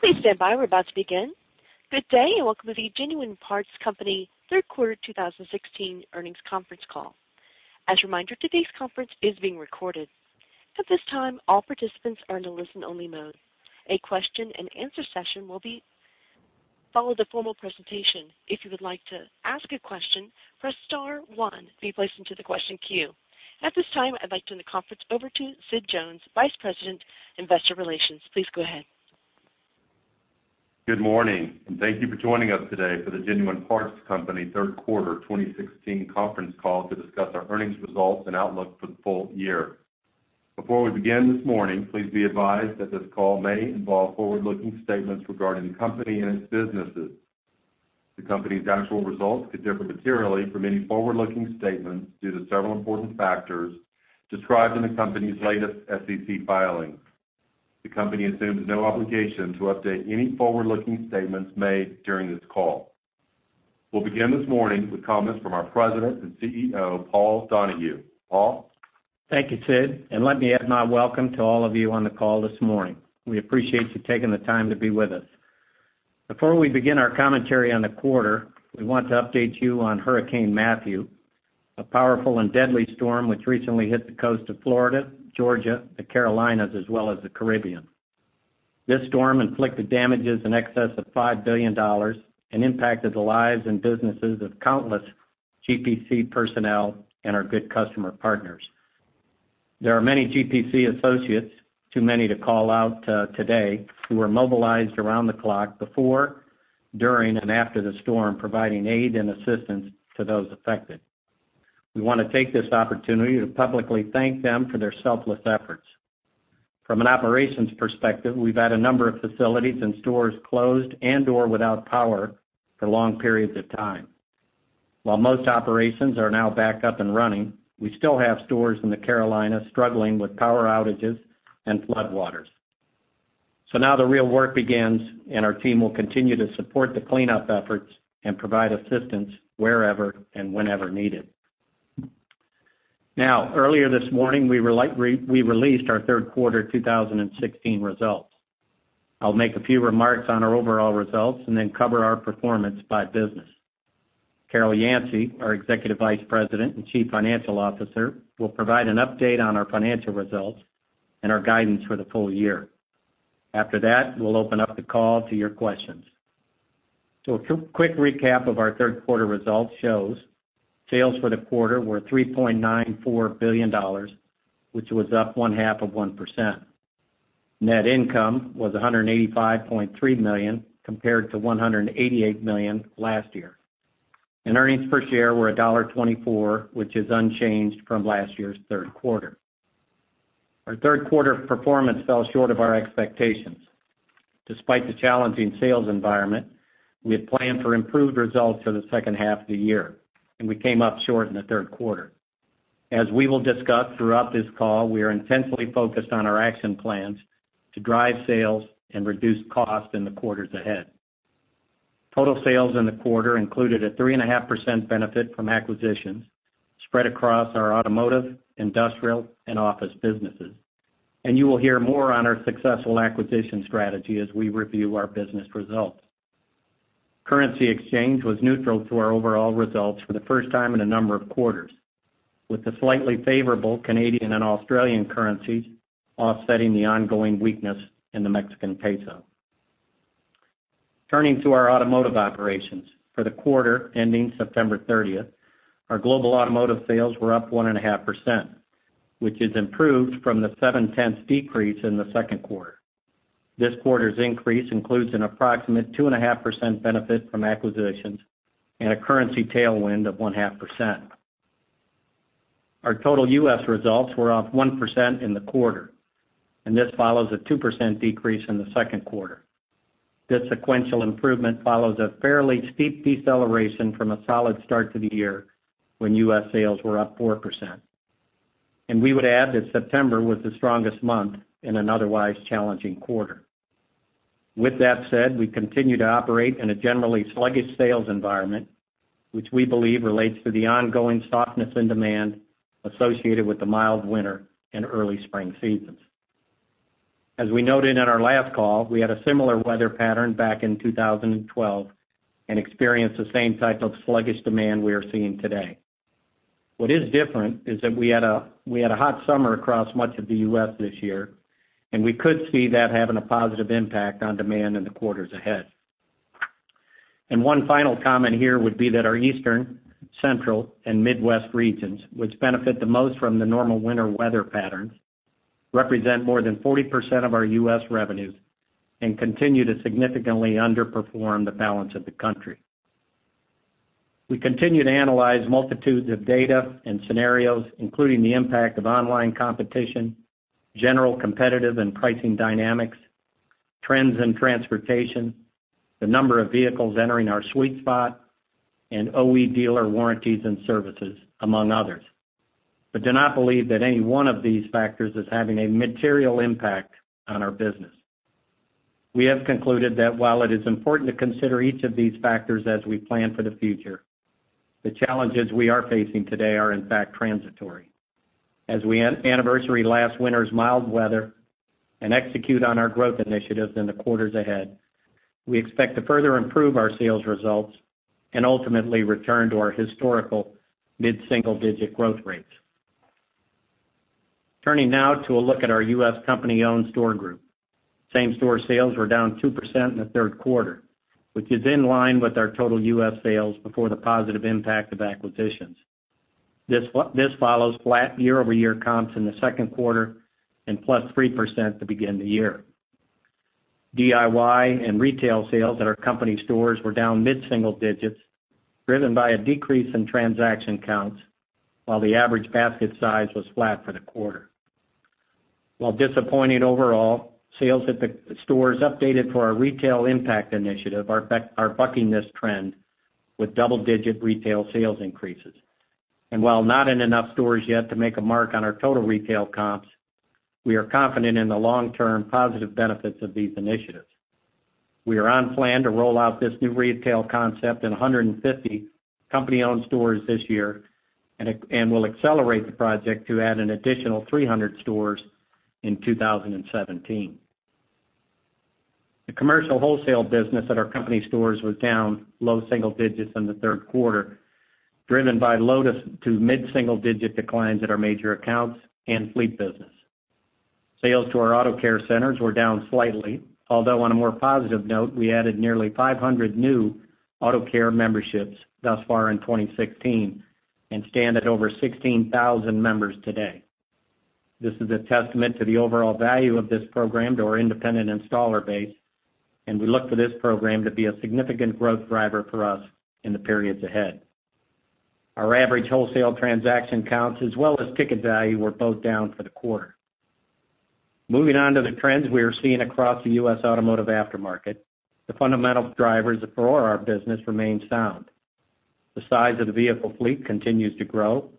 Please stand by. We're about to begin. Good day, welcome to the Genuine Parts Company third quarter 2016 earnings conference call. As a reminder, today's conference is being recorded. At this time, all participants are in a listen-only mode. A question-and-answer session will follow the formal presentation. If you would like to ask a question, press star one to be placed into the question queue. At this time, I'd like to turn the conference over to Sid Jones, Vice President, Investor Relations. Please go ahead. Good morning, thank you for joining us today for the Genuine Parts Company third quarter 2016 conference call to discuss our earnings results and outlook for the full year. Before we begin this morning, please be advised that this call may involve forward-looking statements regarding the company and its businesses. The company's actual results could differ materially from any forward-looking statements due to several important factors described in the company's latest SEC filings. The company assumes no obligation to update any forward-looking statements made during this call. We'll begin this morning with comments from our President and CEO, Paul Donahue. Paul? Thank you, Sid, let me add my welcome to all of you on the call this morning. We appreciate you taking the time to be with us. Before we begin our commentary on the quarter, we want to update you on Hurricane Matthew, a powerful and deadly storm which recently hit the coast of Florida, Georgia, the Carolinas, as well as the Caribbean. This storm inflicted damages in excess of $5 billion and impacted the lives and businesses of countless GPC personnel and our good customer partners. There are many GPC associates, too many to call out today, who were mobilized around the clock before, during, and after the storm, providing aid and assistance to those affected. We want to take this opportunity to publicly thank them for their selfless efforts. From an operations perspective, we've had a number of facilities and stores closed and/or without power for long periods of time. While most operations are now back up and running, we still have stores in the Carolinas struggling with power outages and floodwaters. Now the real work begins. Our team will continue to support the cleanup efforts and provide assistance wherever and whenever needed. Earlier this morning, we released our third quarter 2016 results. I'll make a few remarks on our overall results and then cover our performance by business. Carol Yancey, our Executive Vice President and Chief Financial Officer, will provide an update on our financial results and our guidance for the full year. After that, we'll open up the call to your questions. A quick recap of our third quarter results shows sales for the quarter were $3.94 billion, which was up one-half of 1%. Net income was $185.3 million, compared to $188 million last year. Earnings per share were $1.24, which is unchanged from last year's third quarter. Our third quarter performance fell short of our expectations. Despite the challenging sales environment, we had planned for improved results for the second half of the year, and we came up short in the third quarter. As we will discuss throughout this call, we are intensely focused on our action plans to drive sales and reduce costs in the quarters ahead. Total sales in the quarter included a 3.5% benefit from acquisitions spread across our automotive, industrial, and office businesses. You will hear more on our successful acquisition strategy as we review our business results. Currency exchange was neutral to our overall results for the first time in a number of quarters, with the slightly favorable Canadian and Australian currencies offsetting the ongoing weakness in the Mexican peso. Turning to our automotive operations. For the quarter ending September 30th, our global automotive sales were up 1.5%, which is improved from the seven-tenths decrease in the second quarter. This quarter's increase includes an approximate 2.5% benefit from acquisitions and a currency tailwind of 0.5%. Our total U.S. results were up 1% in the quarter, and this follows a 2% decrease in the second quarter. This sequential improvement follows a fairly steep deceleration from a solid start to the year when U.S. sales were up 4%. We would add that September was the strongest month in an otherwise challenging quarter. With that said, we continue to operate in a generally sluggish sales environment, which we believe relates to the ongoing softness in demand associated with the mild winter and early spring seasons. As we noted on our last call, we had a similar weather pattern back in 2012 and experienced the same type of sluggish demand we are seeing today. What is different is that we had a hot summer across much of the U.S. this year, and we could see that having a positive impact on demand in the quarters ahead. One final comment here would be that our Eastern, Central, and Midwest regions, which benefit the most from the normal winter weather patterns, represent more than 40% of our U.S. revenues and continue to significantly underperform the balance of the country. We continue to analyze multitudes of data and scenarios, including the impact of online competition, general competitive and pricing dynamics, trends in transportation, the number of vehicles entering our sweet spot, and OE dealer warranties and services, among others, but do not believe that any one of these factors is having a material impact on our business. We have concluded that while it is important to consider each of these factors as we plan for the future, the challenges we are facing today are in fact transitory. As we anniversary last winter's mild weather and execute on our growth initiatives in the quarters ahead, we expect to further improve our sales results and ultimately return to our historical mid-single-digit growth rates. Turning now to a look at our U.S. company-owned store group. Same-store sales were down 2% in the third quarter, which is in line with our total U.S. sales before the positive impact of acquisitions. This follows flat year-over-year comps in the second quarter and plus 3% to begin the year. DIY and retail sales at our company stores were down mid-single digits, driven by a decrease in transaction counts, while the average basket size was flat for the quarter. While disappointing overall, sales at the stores updated for our retail impact initiative are bucking this trend with double-digit retail sales increases. While not in enough stores yet to make a mark on our total retail comps, we are confident in the long-term positive benefits of these initiatives. We are on plan to roll out this new retail concept in 150 company-owned stores this year and will accelerate the project to add an additional 300 stores in 2017. The commercial wholesale business at our company stores was down low single digits in the third quarter, driven by low to mid-single-digit declines at our major accounts and fleet business. Sales to our auto care centers were down slightly, although on a more positive note, we added nearly 500 new auto care memberships thus far in 2016 and stand at over 16,000 members today. This is a testament to the overall value of this program to our independent installer base. We look for this program to be a significant growth driver for us in the periods ahead. Our average wholesale transaction counts as well as ticket value were both down for the quarter. Moving on to the trends we are seeing across the U.S. automotive aftermarket. The fundamental drivers for our business remain sound. The size of the vehicle fleet continues to grow.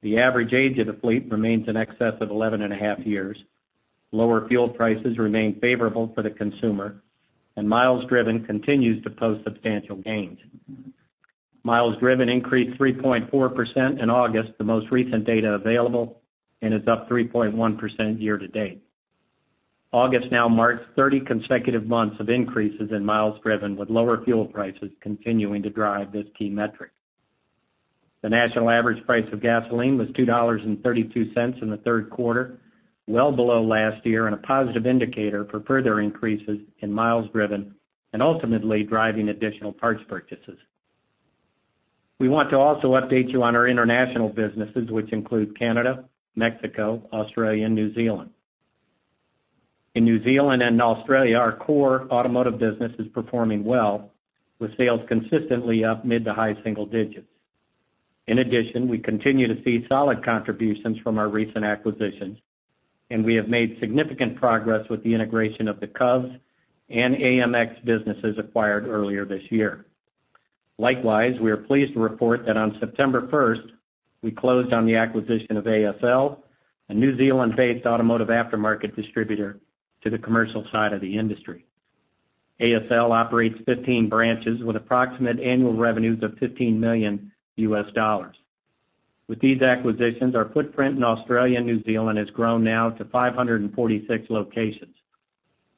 The average age of the fleet remains in excess of 11.5 years. Lower fuel prices remain favorable for the consumer. Miles driven continues to post substantial gains. Miles driven increased 3.4% in August, the most recent data available, and is up 3.1% year-to-date. August now marks 30 consecutive months of increases in miles driven, with lower fuel prices continuing to drive this key metric. The national average price of gasoline was $2.32 in the third quarter, well below last year. A positive indicator for further increases in miles driven and ultimately driving additional parts purchases. We want to also update you on our international businesses, which include Canada, Mexico, Australia, and New Zealand. In New Zealand and Australia, our core automotive business is performing well, with sales consistently up mid to high single digits. In addition, we continue to see solid contributions from our recent acquisitions. We have made significant progress with the integration of the Covs and AMX businesses acquired earlier this year. Likewise, we are pleased to report that on September 1st, we closed on the acquisition of ASL, a New Zealand-based automotive aftermarket distributor to the commercial side of the industry. ASL operates 15 branches with approximate annual revenues of $15 million. With these acquisitions, our footprint in Australia and New Zealand has grown now to 546 locations.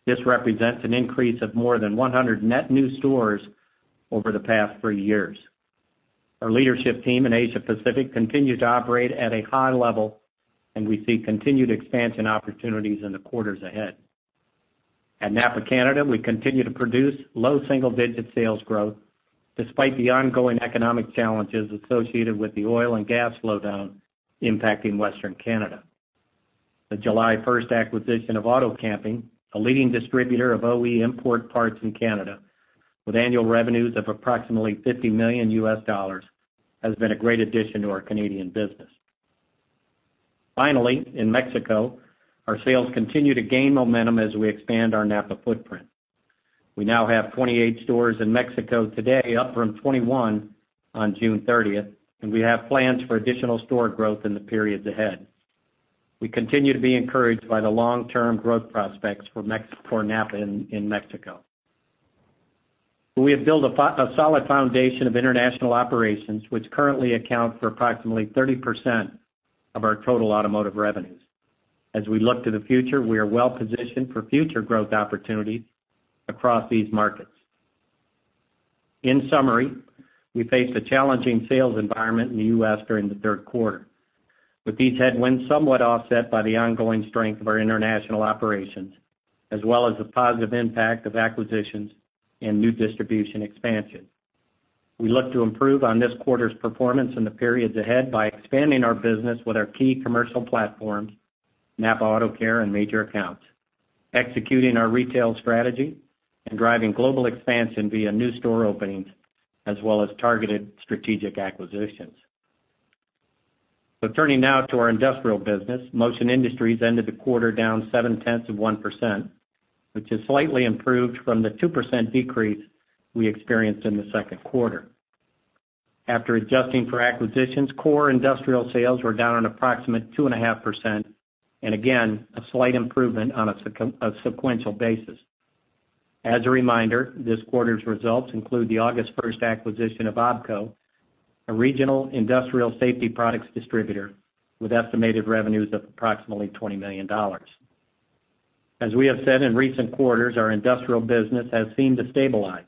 This represents an increase of more than 100 net new stores over the past three years. Our leadership team in Asia Pacific continue to operate at a high level. We see continued expansion opportunities in the quarters ahead. At NAPA Canada, we continue to produce low single-digit sales growth despite the ongoing economic challenges associated with the oil and gas slowdown impacting Western Canada. The July 1st acquisition of Auto-Camping, a leading distributor of OE import parts in Canada with annual revenues of approximately $50 million U.S., has been a great addition to our Canadian business. Finally, in Mexico, our sales continue to gain momentum as we expand our NAPA footprint. We now have 28 stores in Mexico today, up from 21 on June 30th, and we have plans for additional store growth in the periods ahead. We continue to be encouraged by the long-term growth prospects for NAPA in Mexico. We have built a solid foundation of international operations, which currently account for approximately 30% of our total automotive revenues. As we look to the future, we are well-positioned for future growth opportunities across these markets. In summary, we faced a challenging sales environment in the U.S. during the third quarter. With these headwinds somewhat offset by the ongoing strength of our international operations, as well as the positive impact of acquisitions and new distribution expansion. We look to improve on this quarter's performance in the periods ahead by expanding our business with our key commercial platforms, NAPA Auto Care and Major Accounts, executing our retail strategy and driving global expansion via new store openings as well as targeted strategic acquisitions. Turning now to our industrial business, Motion Industries ended the quarter down 0.7%, which is slightly improved from the 2% decrease we experienced in the second quarter. After adjusting for acquisitions, core industrial sales were down an approximate 2.5%, and again, a slight improvement on a sequential basis. As a reminder, this quarter's results include the August 1st acquisition of OBBCO, a regional industrial safety products distributor with estimated revenues of approximately $20 million. As we have said in recent quarters, our industrial business has seemed to stabilize,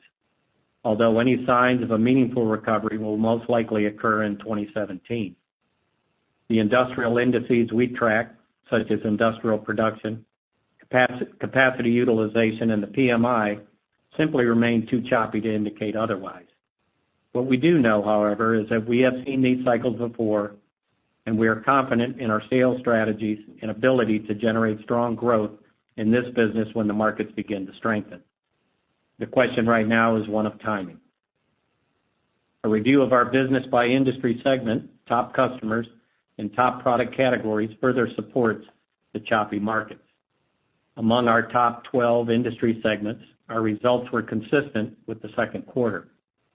although any signs of a meaningful recovery will most likely occur in 2017. The industrial indices we track, such as industrial production, capacity utilization, and the PMI, simply remain too choppy to indicate otherwise. What we do know, however, is that we have seen these cycles before, and we are confident in our sales strategies and ability to generate strong growth in this business when the markets begin to strengthen. The question right now is one of timing. A review of our business by industry segment, top customers, and top product categories further supports the choppy markets. Among our top 12 industry segments, our results were consistent with the second quarter,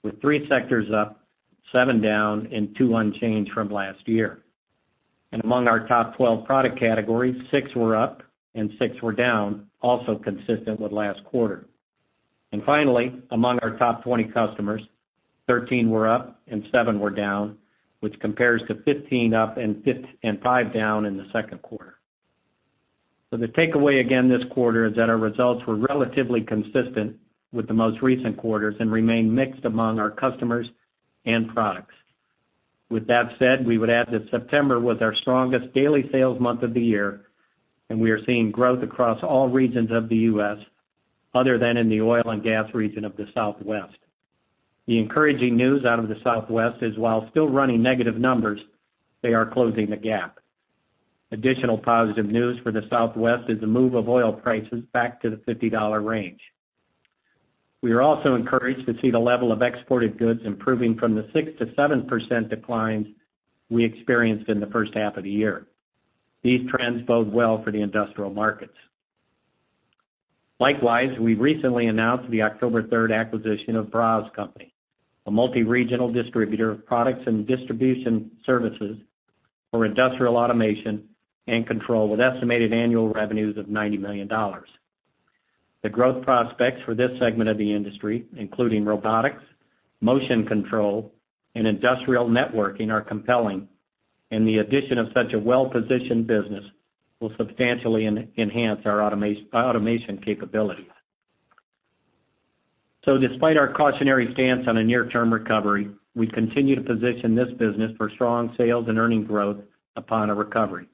with 3 sectors up, 7 down, and 2 unchanged from last year. Among our top 12 product categories, 6 were up and 6 were down, also consistent with last quarter. Finally, among our top 20 customers, 13 were up and 7 were down, which compares to 15 up and 5 down in the second quarter. The takeaway again this quarter is that our results were relatively consistent with the most recent quarters and remain mixed among our customers and products. With that said, we would add that September was our strongest daily sales month of the year, and we are seeing growth across all regions of the U.S. other than in the oil and gas region of the Southwest. The encouraging news out of the Southwest is while still running negative numbers, they are closing the gap. Additional positive news for the Southwest is the move of oil prices back to the $50 range. We are also encouraged to see the level of exported goods improving from the 6%-7% declines we experienced in the first half of the year. These trends bode well for the industrial markets. Likewise, we recently announced the October 3rd acquisition of Braas Company, a multi-regional distributor of products and distribution services for industrial automation and control, with estimated annual revenues of $90 million. The growth prospects for this segment of the industry, including robotics, motion control, and industrial networking, are compelling, and the addition of such a well-positioned business will substantially enhance our automation capabilities. Despite our cautionary stance on a near-term recovery, we continue to position this business for strong sales and earnings growth upon a recovery.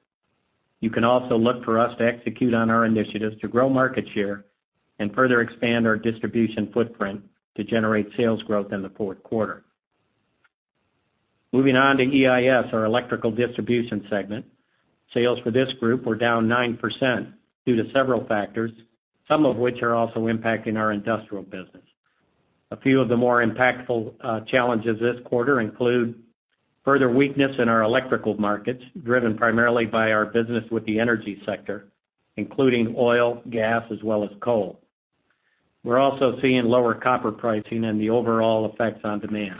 You can also look for us to execute on our initiatives to grow market share and further expand our distribution footprint to generate sales growth in the fourth quarter. Moving on to EIS, our electrical distribution segment. Sales for this group were down 9% due to several factors, some of which are also impacting our industrial business. A few of the more impactful challenges this quarter include further weakness in our electrical markets, driven primarily by our business with the energy sector, including oil, gas, as well as coal. We are also seeing lower copper pricing and the overall effects on demand.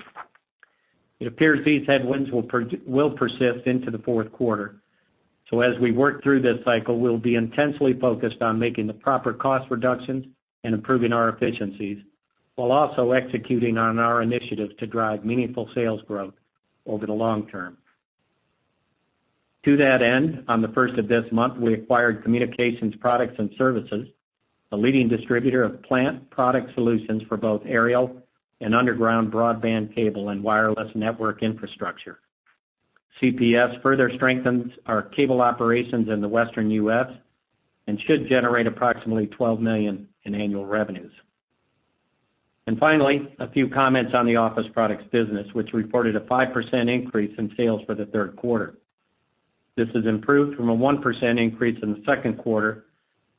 It appears these headwinds will persist into the fourth quarter. As we work through this cycle, we will be intensely focused on making the proper cost reductions and improving our efficiencies, while also executing on our initiatives to drive meaningful sales growth over the long term. To that end, on the first of this month, we acquired Communications Products and Services, a leading distributor of plant product solutions for both aerial and underground broadband cable and wireless network infrastructure. CPS further strengthens our cable operations in the Western U.S. and should generate approximately $12 million in annual revenues. Finally, a few comments on the office products business, which reported a 5% increase in sales for the third quarter. This has improved from a 1% increase in the second quarter,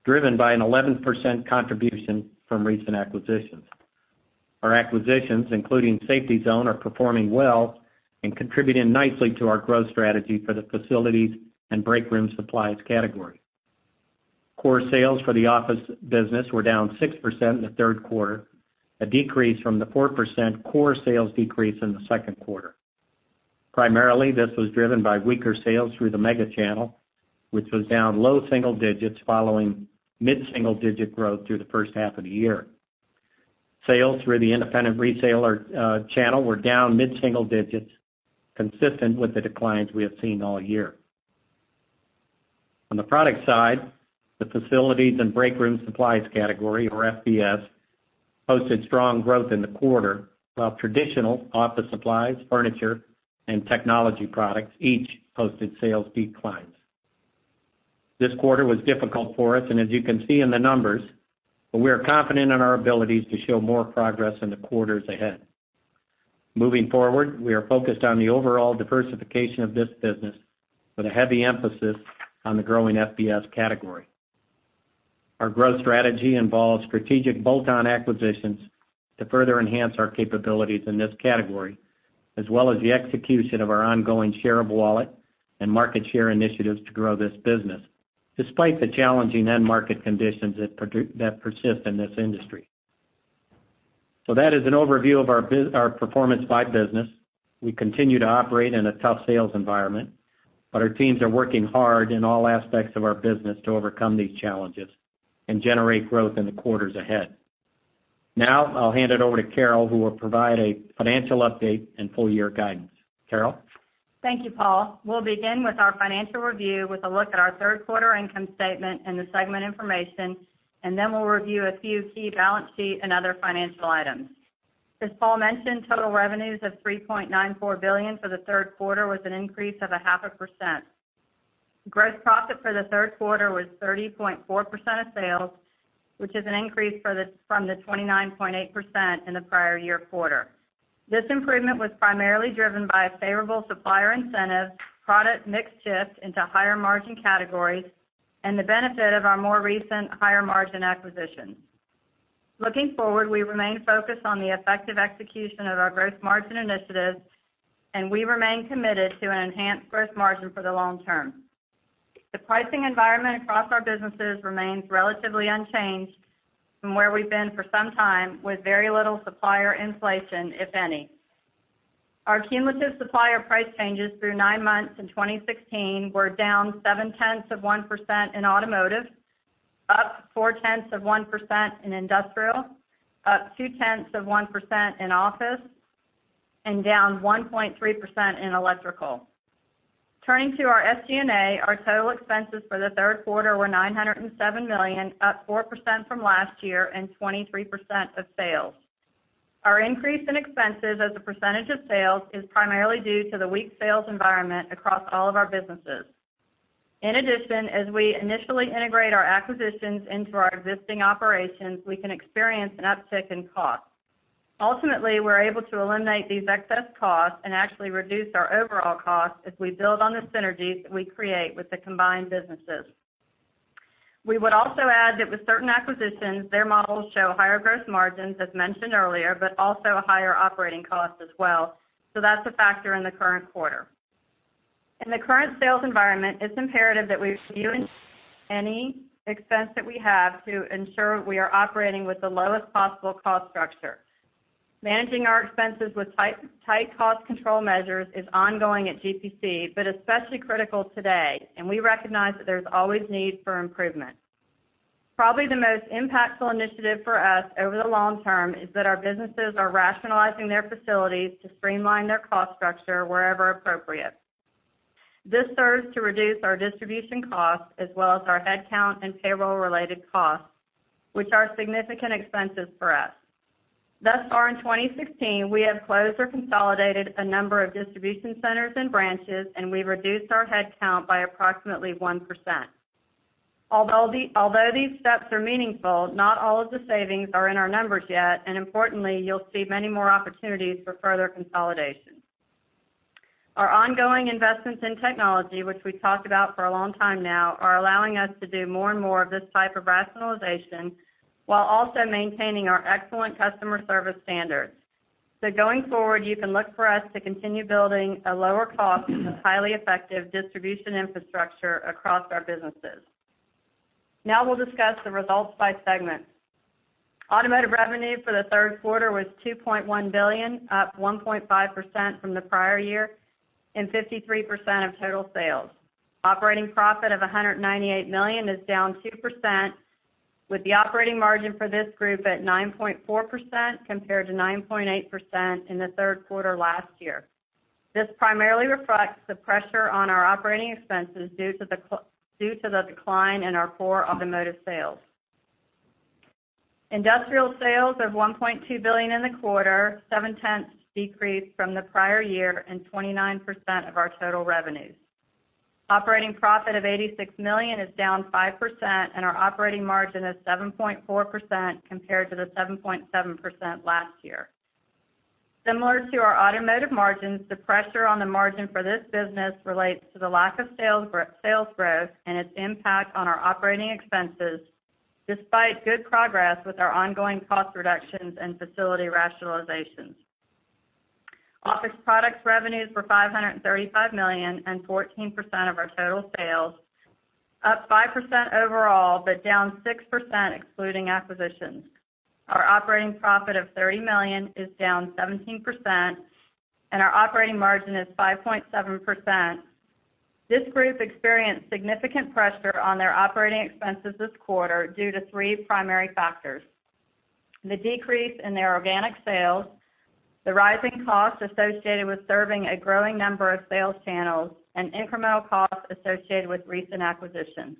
driven by an 11% contribution from recent acquisitions. Our acquisitions, including Safety Zone, are performing well and contributing nicely to our growth strategy for the facilities and break room supplies category. Core sales for the office business were down 6% in the third quarter, a decrease from the 4% core sales decrease in the second quarter. Primarily, this was driven by weaker sales through the mega channel, which was down low single digits following mid-single digit growth through the first half of the year. Sales through the independent retailer channel were down mid-single digits, consistent with the declines we have seen all year. On the product side, the facilities and break room supplies category, or FBS, posted strong growth in the quarter, while traditional office supplies, furniture, and technology products each posted sales declines. This quarter was difficult for us, and as you can see in the numbers, but we are confident in our abilities to show more progress in the quarters ahead. Moving forward, we are focused on the overall diversification of this business with a heavy emphasis on the growing FBS category. Our growth strategy involves strategic bolt-on acquisitions to further enhance our capabilities in this category, as well as the execution of our ongoing share of wallet and market share initiatives to grow this business, despite the challenging end market conditions that persist in this industry. That is an overview of our performance by business. We continue to operate in a tough sales environment, but our teams are working hard in all aspects of our business to overcome these challenges and generate growth in the quarters ahead. I'll hand it over to Carol, who will provide a financial update and full year guidance. Carol? Thank you, Paul. We'll begin with our financial review with a look at our third quarter income statement and the segment information. Then we'll review a few key balance sheet and other financial items. As Paul mentioned, total revenues of $3.94 billion for the third quarter was an increase of a half a percent. Gross profit for the third quarter was 30.4% of sales, which is an increase from the 29.8% in the prior year quarter. This improvement was primarily driven by a favorable supplier incentive, product mix shift into higher margin categories, and the benefit of our more recent higher margin acquisitions. Looking forward, we remain focused on the effective execution of our gross margin initiatives. We remain committed to an enhanced gross margin for the long term. The pricing environment across our businesses remains relatively unchanged from where we've been for some time, with very little supplier inflation, if any. Our cumulative supplier price changes through nine months in 2016 were down seven tenths of 1% in automotive, up four tenths of 1% in industrial, up two tenths of 1% in office, and down 1.3% in electrical. Turning to our SG&A, our total expenses for the third quarter were $907 million, up 4% from last year and 23% of sales. Our increase in expenses as a percentage of sales is primarily due to the weak sales environment across all of our businesses. In addition, as we initially integrate our acquisitions into our existing operations, we can experience an uptick in cost. Ultimately, we're able to eliminate these excess costs and actually reduce our overall costs as we build on the synergies that we create with the combined businesses. We would also add that with certain acquisitions, their models show higher gross margins, as mentioned earlier, but also higher operating costs as well. That's a factor in the current quarter. In the current sales environment, it's imperative that we review any expense that we have to ensure we are operating with the lowest possible cost structure. Managing our expenses with tight cost control measures is ongoing at GPC, but especially critical today, and we recognize that there's always need for improvement. Probably the most impactful initiative for us over the long term is that our businesses are rationalizing their facilities to streamline their cost structure wherever appropriate. This serves to reduce our distribution costs, as well as our headcount and payroll related costs, which are significant expenses for us. Thus far in 2016, we have closed or consolidated a number of distribution centers and branches, and we've reduced our headcount by approximately 1%. Although these steps are meaningful, not all of the savings are in our numbers yet, and importantly, you'll see many more opportunities for further consolidation. Our ongoing investments in technology, which we've talked about for a long time now, are allowing us to do more and more of this type of rationalization while also maintaining our excellent customer service standards. Going forward, you can look for us to continue building a lower cost and highly effective distribution infrastructure across our businesses. We'll discuss the results by segment. Automotive revenue for the third quarter was $2.1 billion, up 1.5% from the prior year and 53% of total sales. Operating profit of $198 million is down 2%, with the operating margin for this group at 9.4% compared to 9.8% in the third quarter last year. This primarily reflects the pressure on our operating expenses due to the decline in our core automotive sales. Industrial sales of $1.2 billion in the quarter, 0.7% decrease from the prior year and 29% of our total revenues. Operating profit of $86 million is down 5%, and our operating margin is 7.4% compared to 7.7% last year. Similar to our automotive margins, the pressure on the margin for this business relates to the lack of sales growth and its impact on our operating expenses, despite good progress with our ongoing cost reductions and facility rationalizations. Office Products revenues were $535 million and 14% of our total sales, up 5% overall, but down 6% excluding acquisitions. Our operating profit of $30 million is down 17%, and our operating margin is 5.7%. This group experienced significant pressure on their operating expenses this quarter due to three primary factors: the decrease in their organic sales, the rising costs associated with serving a growing number of sales channels, and incremental costs associated with recent acquisitions.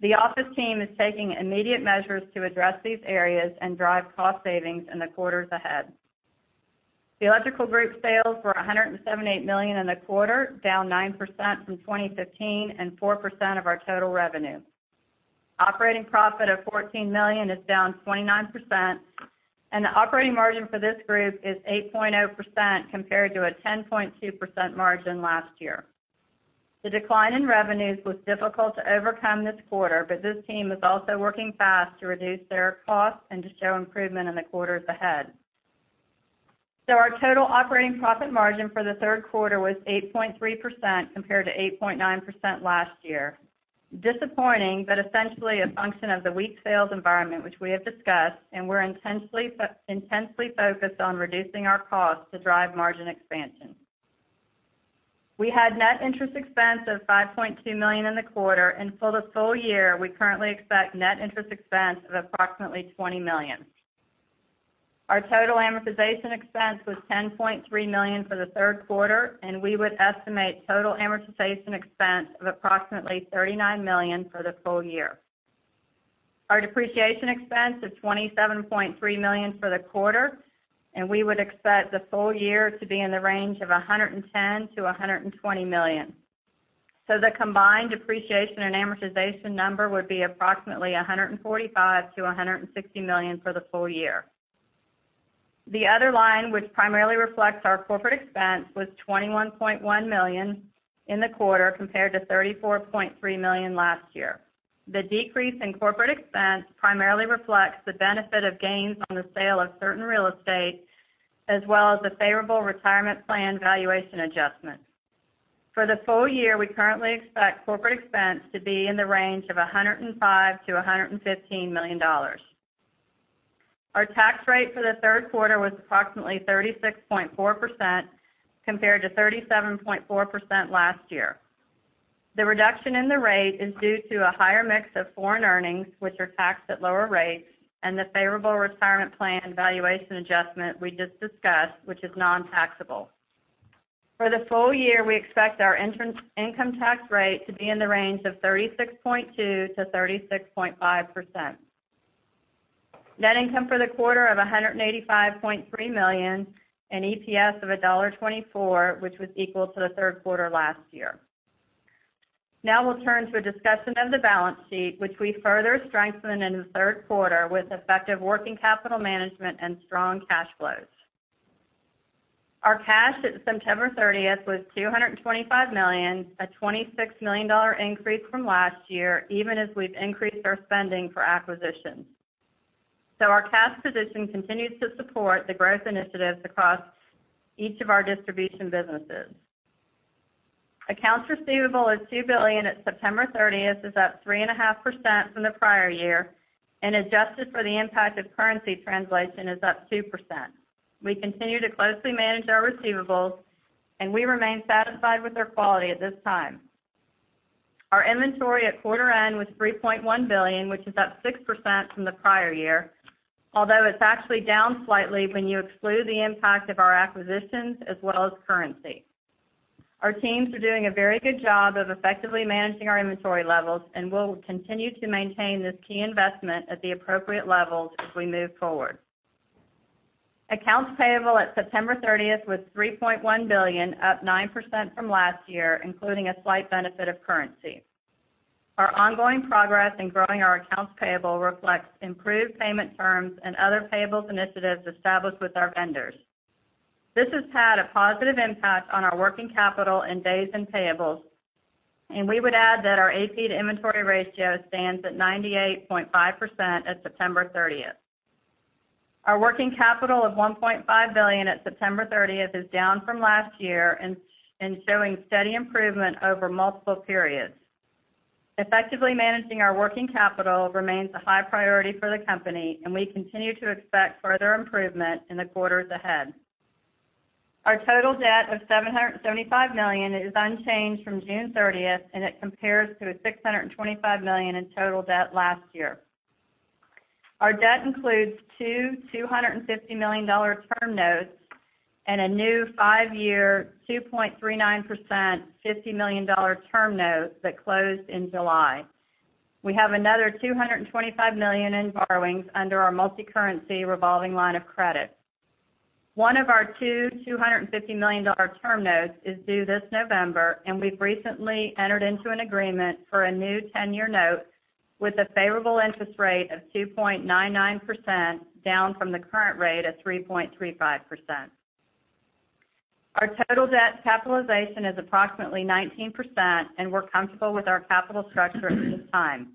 The Office Products team is taking immediate measures to address these areas and drive cost savings in the quarters ahead. The Electrical Group sales were $178 million in the quarter, down 9% from 2015 and 4% of our total revenue. Operating profit of $14 million is down 29%, and the operating margin for this group is 8.0% compared to a 10.2% margin last year. The decline in revenues was difficult to overcome this quarter, but this team is also working fast to reduce their costs and to show improvement in the quarters ahead. Our total operating profit margin for the third quarter was 8.3% compared to 8.9% last year. Disappointing, essentially a function of the weak sales environment, which we have discussed, and we're intensely focused on reducing our costs to drive margin expansion. We had net interest expense of $5.2 million in the quarter and for the full year, we currently expect net interest expense of approximately $20 million. Our total amortization expense was $10.3 million for the third quarter, and we would estimate total amortization expense of approximately $39 million for the full year. Our depreciation expense is $27.3 million for the quarter, and we would expect the full year to be in the range of $110 million-$120 million. The combined depreciation and amortization number would be approximately $145 million-$160 million for the full year. The other line which primarily reflects our corporate expense was $21.1 million in the quarter compared to $34.3 million last year. The decrease in corporate expense primarily reflects the benefit of gains on the sale of certain real estate, as well as the favorable retirement plan valuation adjustment. For the full year, we currently expect corporate expense to be in the range of $105 million-$115 million. Our tax rate for the third quarter was approximately 36.4% compared to 37.4% last year. The reduction in the rate is due to a higher mix of foreign earnings, which are taxed at lower rates, and the favorable retirement plan valuation adjustment we just discussed, which is non-taxable. For the full year, we expect our income tax rate to be in the range of 36.2%-36.5%. Net income for the quarter of $185.3 million, an EPS of $1.24, which was equal to the third quarter last year. We'll turn to a discussion of the balance sheet, which we further strengthened in the third quarter with effective working capital management and strong cash flows. Our cash at September 30th was $225 million, a $26 million increase from last year, even as we've increased our spending for acquisitions. Our cash position continues to support the growth initiatives across each of our distribution businesses. Accounts receivable is $2 billion at September 30th, is up 3.5% from the prior year, and adjusted for the impact of currency translation is up 2%. We continue to closely manage our receivables, and we remain satisfied with their quality at this time. Our inventory at quarter end was $3.1 billion, which is up 6% from the prior year, although it's actually down slightly when you exclude the impact of our acquisitions as well as currency. Our teams are doing a very good job of effectively managing our inventory levels, and we'll continue to maintain this key investment at the appropriate levels as we move forward. Accounts payable at September 30th was $3.1 billion, up 9% from last year, including a slight benefit of currency. Our ongoing progress in growing our accounts payable reflects improved payment terms and other payables initiatives established with our vendors. This has had a positive impact on our working capital and days in payables, and we would add that our AP to inventory ratio stands at 98.5% at September 30th. Our working capital of $1.5 billion at September 30th is down from last year and showing steady improvement over multiple periods. Effectively managing our working capital remains a high priority for the company, and we continue to expect further improvement in the quarters ahead. Our total debt of $775 million is unchanged from June 30th, and it compares to a $625 million in total debt last year. Our debt includes two $250 million term notes and a new 5-year, 2.39%, $50 million term note that closed in July. We have another $225 million in borrowings under our multi-currency revolving line of credit. One of our two $250 million term notes is due this November, and we've recently entered into an agreement for a new 10-year note with a favorable interest rate of 2.99%, down from the current rate of 3.35%. Our total debt capitalization is approximately 19%, and we're comfortable with our capital structure at this time.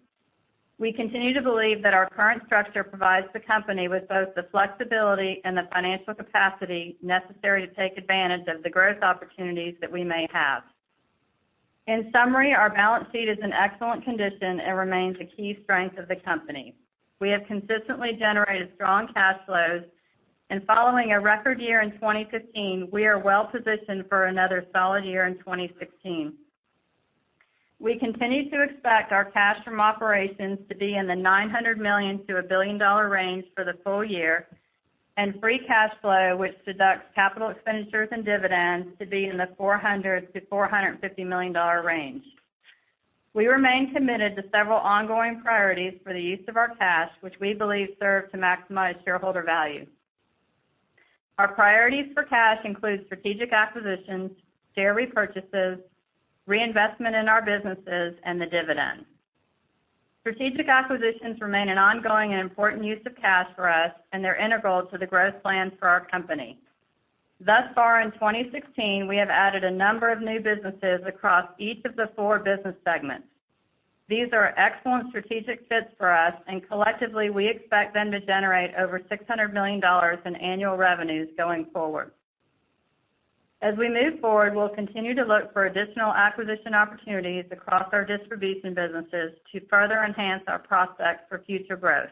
We continue to believe that our current structure provides the company with both the flexibility and the financial capacity necessary to take advantage of the growth opportunities that we may have. In summary, our balance sheet is in excellent condition and remains a key strength of the company. We have consistently generated strong cash flows, and following a record year in 2015, we are well positioned for another solid year in 2016. We continue to expect our cash from operations to be in the $900 million to a billion-dollar range for the full year, and free cash flow, which deducts capital expenditures and dividends, to be in the $400 million-$450 million range. We remain committed to several ongoing priorities for the use of our cash, which we believe serve to maximize shareholder value. Our priorities for cash include strategic acquisitions, share repurchases, reinvestment in our businesses, and the dividend. Strategic acquisitions remain an ongoing and important use of cash for us, and they're integral to the growth plans for our company. Thus far in 2016, we have added a number of new businesses across each of the four business segments. These are excellent strategic fits for us. Collectively, we expect them to generate over $600 million in annual revenues going forward. As we move forward, we'll continue to look for additional acquisition opportunities across our distribution businesses to further enhance our prospects for future growth.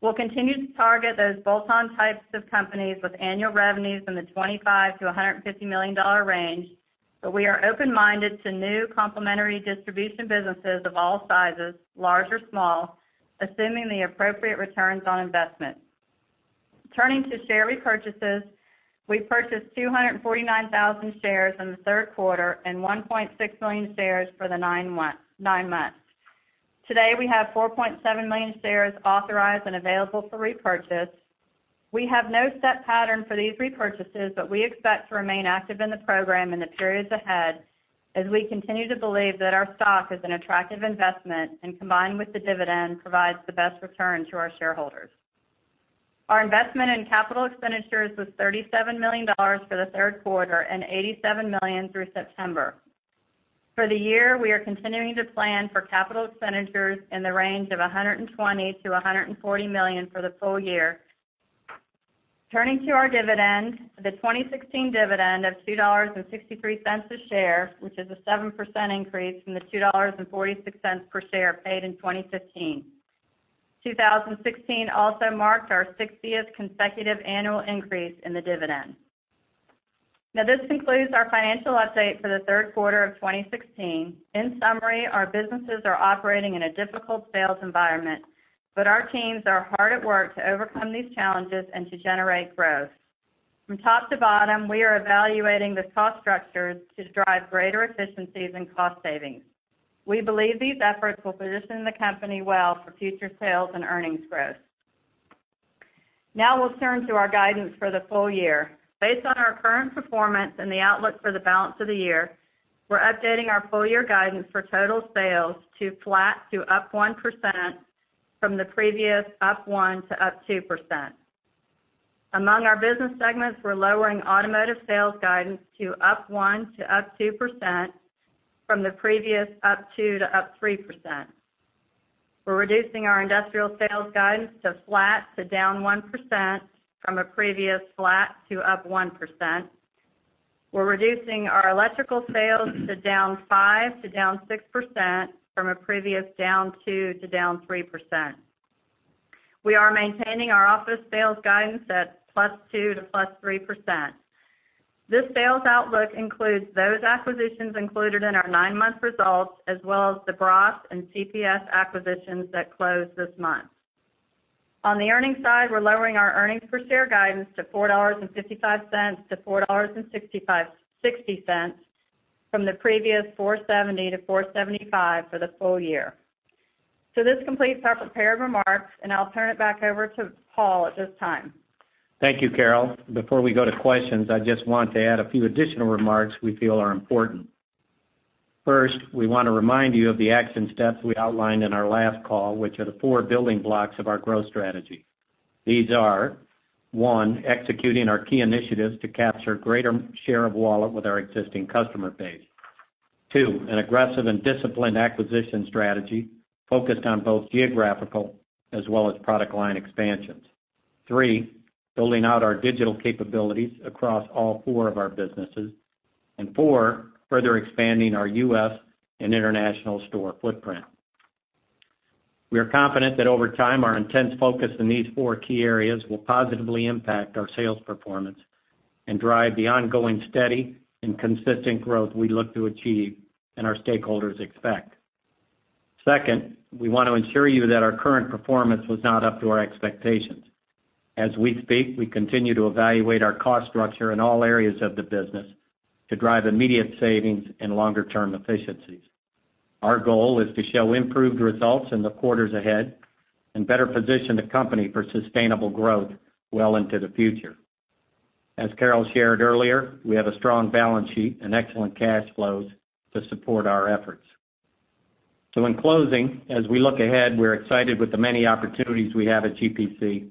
We'll continue to target those bolt-on types of companies with annual revenues in the $25 million-$150 million range. We are open-minded to new complementary distribution businesses of all sizes, large or small, assuming the appropriate returns on investment. Turning to share repurchases, we purchased 249,000 shares in the third quarter and 1.6 million shares for the nine months. Today, we have 4.7 million shares authorized and available for repurchase. We have no set pattern for these repurchases. We expect to remain active in the program in the periods ahead, as we continue to believe that our stock is an attractive investment, and combined with the dividend, provides the best return to our shareholders. Our investment in capital expenditures was $37 million for the third quarter and $87 million through September. For the year, we are continuing to plan for capital expenditures in the range of $120 million-$140 million for the full year. Turning to our dividend, the 2016 dividend of $2.63 a share, which is a 7% increase from the $2.46 per share paid in 2015. 2016 also marked our 60th consecutive annual increase in the dividend. This concludes our financial update for the third quarter of 2016. In summary, our businesses are operating in a difficult sales environment, but our teams are hard at work to overcome these challenges and to generate growth. From top to bottom, we are evaluating the cost structures to drive greater efficiencies and cost savings. We believe these efforts will position the company well for future sales and earnings growth. We'll turn to our guidance for the full year. Based on our current performance and the outlook for the balance of the year, we're updating our full year guidance for total sales to flat to up 1% from the previous up 1%-up 2%. Among our business segments, we're lowering automotive sales guidance to up 1%-up 2% from the previous up 2%-up 3%. We're reducing our industrial sales guidance to flat to down 1% from a previous flat to up 1%. We're reducing our electrical sales to down 5%-down 6% from a previous down 2%-down 3%. We are maintaining our office sales guidance at +2% to +3%. This sales outlook includes those acquisitions included in our nine-month results, as well as the Braas and CPS acquisitions that closed this month. On the earnings side, we're lowering our earnings per share guidance to $4.55-$4.60 from the previous $4.70-$4.75 for the full year. This completes our prepared remarks, and I'll turn it back over to Paul at this time. Thank you, Carol. Before we go to questions, I just want to add a few additional remarks we feel are important. First, we want to remind you of the action steps we outlined in our last call, which are the four building blocks of our growth strategy. These are, one, executing our key initiatives to capture greater share of wallet with our existing customer base. Two, an aggressive and disciplined acquisition strategy focused on both geographical as well as product line expansions. Three, building out our digital capabilities across all four of our businesses. Four, further expanding our U.S. and international store footprint. We are confident that over time, our intense focus in these four key areas will positively impact our sales performance and drive the ongoing steady and consistent growth we look to achieve and our stakeholders expect. Second, we want to ensure you that our current performance was not up to our expectations. As we speak, we continue to evaluate our cost structure in all areas of the business to drive immediate savings and longer-term efficiencies. Our goal is to show improved results in the quarters ahead and better position the company for sustainable growth well into the future. As Carol shared earlier, we have a strong balance sheet and excellent cash flows to support our efforts. In closing, as we look ahead, we're excited with the many opportunities we have at GPC,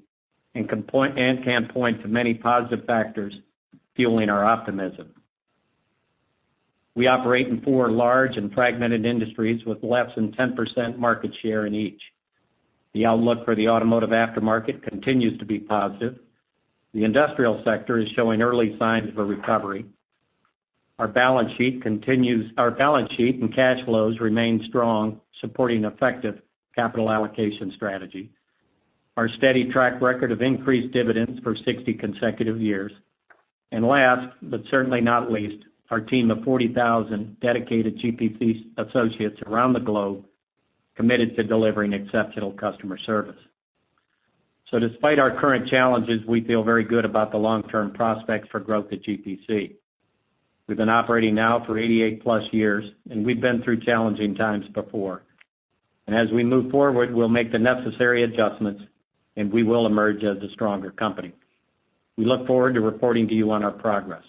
and can point to many positive factors fueling our optimism. We operate in four large and fragmented industries with less than 10% market share in each. The outlook for the automotive aftermarket continues to be positive. The industrial sector is showing early signs of a recovery. Our balance sheet and cash flows remain strong, supporting effective capital allocation strategy. Our steady track record of increased dividends for 60 consecutive years. Last but certainly not least, our team of 40,000 dedicated GPC associates around the globe committed to delivering exceptional customer service. Despite our current challenges, we feel very good about the long-term prospects for growth at GPC. We've been operating now for 88-plus years, and we've been through challenging times before. As we move forward, we'll make the necessary adjustments, and we will emerge as a stronger company. We look forward to reporting to you on our progress.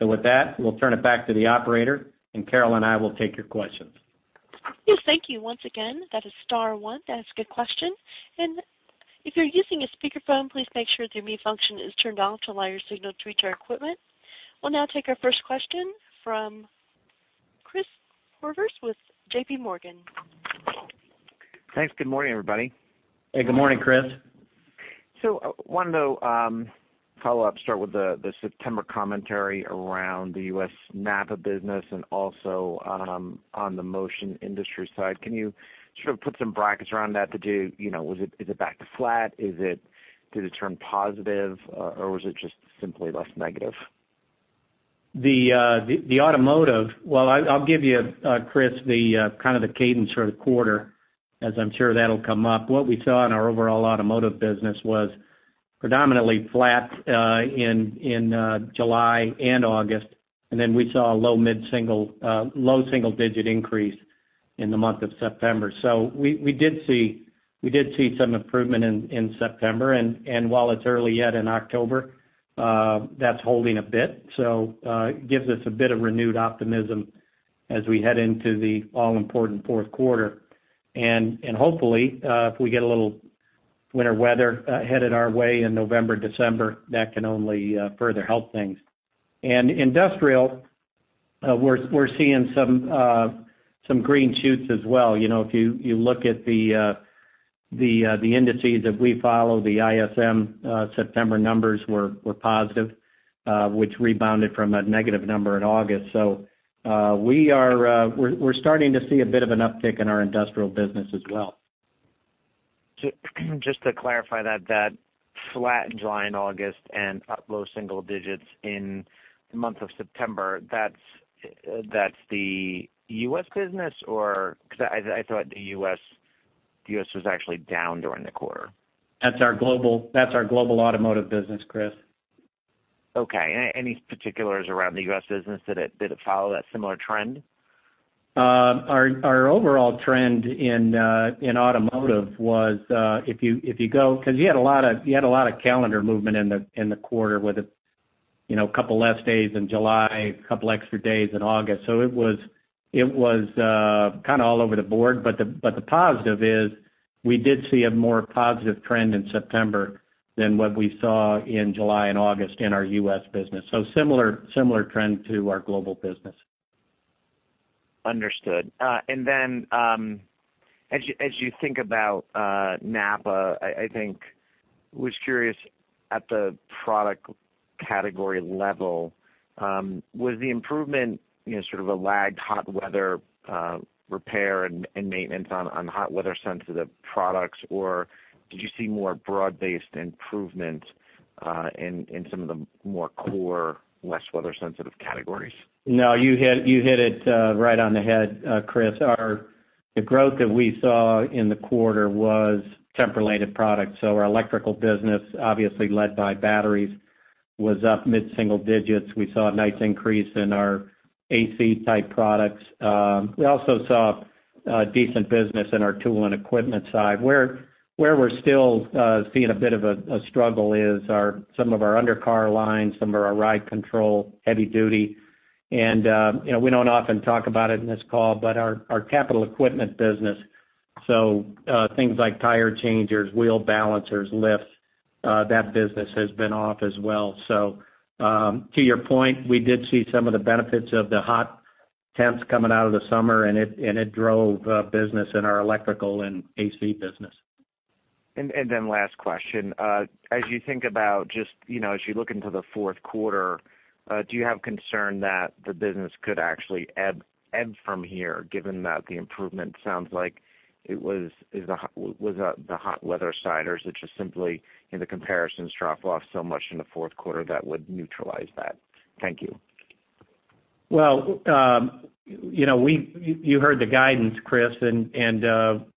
With that, we'll turn it back to the operator, and Carol and I will take your questions. Yes, thank you. Once again, that is star one to ask a question. If you're using a speakerphone, please make sure the mute function is turned on to allow your signal to reach our equipment. We'll now take our first question from Chris Horvers with JPMorgan. Thanks. Good morning, everybody. Hey, good morning, Chris. Wanted to follow up, start with the September commentary around the U.S. NAPA business and also on the Motion Industries side. Can you sort of put some brackets around that, is it back to flat? Did it turn positive or was it just simply less negative? The automotive. Well, I'll give you, Chris, the kind of the cadence for the quarter, as I'm sure that'll come up. What we saw in our overall automotive business was predominantly flat in July and August, then we saw a low single-digit increase in the month of September. We did see some improvement in September, and while it's early yet in October, that's holding a bit. Gives us a bit of renewed optimism as we head into the all-important fourth quarter. Hopefully, if we get a little winter weather headed our way in November, December, that can only further help things. In industrial, we're seeing some green shoots as well. If you look at the indices that we follow, the ISM September numbers were positive, which rebounded from a negative number in August. we're starting to see a bit of an uptick in our industrial business as well. Just to clarify that flat in July and August and up low single digits in the month of September, that's the U.S. business or Because I thought the U.S. was actually down during the quarter. That's our global automotive business, Chris. Any particulars around the U.S. business? Did it follow a similar trend? Our overall trend in automotive was, if you go-- You had a lot of calendar movement in the quarter with a couple less days in July, couple extra days in August. It was kind of all over the board. The positive is we did see a more positive trend in September than what we saw in July and August in our U.S. business. Similar trend to our global business. Understood. As you think about NAPA, was curious at the product category level, was the improvement sort of a lagged hot weather repair and maintenance on hot weather-sensitive products, or did you see more broad-based improvement in some of the more core, less weather-sensitive categories? No, you hit it right on the head, Chris. The growth that we saw in the quarter was temp related products. Our electrical business, obviously led by batteries, was up mid-single digits. We saw a nice increase in our AC type products. We also saw decent business in our tool and equipment side. Where we're still seeing a bit of a struggle is some of our undercar lines, some of our ride control, heavy duty, and we don't often talk about it in this call, but our capital equipment business. Things like tire changers, wheel balancers, lifts, that business has been off as well. To your point, we did see some of the benefits of the hot temps coming out of the summer, and it drove business in our electrical and AC business. Last question. As you think about as you look into the fourth quarter, do you have concern that the business could actually ebb from here, given that the improvement sounds like it was the hot weather side, or is it just simply in the comparisons drop off so much in the fourth quarter that would neutralize that? Thank you. You heard the guidance, Chris,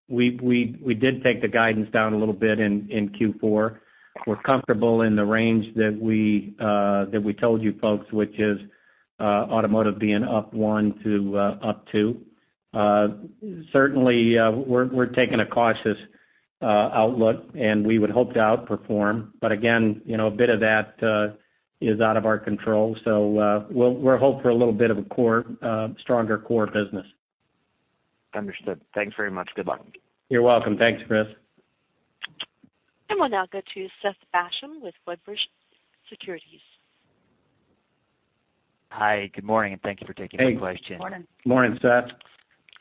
we did take the guidance down a little bit in Q4. We're comfortable in the range that we told you folks, which is automotive being up 1% to up 2%. Certainly, we're taking a cautious outlook, we would hope to outperform, but again, a bit of that is out of our control. We hope for a little bit of a stronger core business. Understood. Thanks very much. Good luck. You're welcome. Thanks, Chris. We'll now go to Seth Basham with Wedbush Securities. Hi, good morning, and thank you for taking my question. Hey. Morning. Morning, Seth.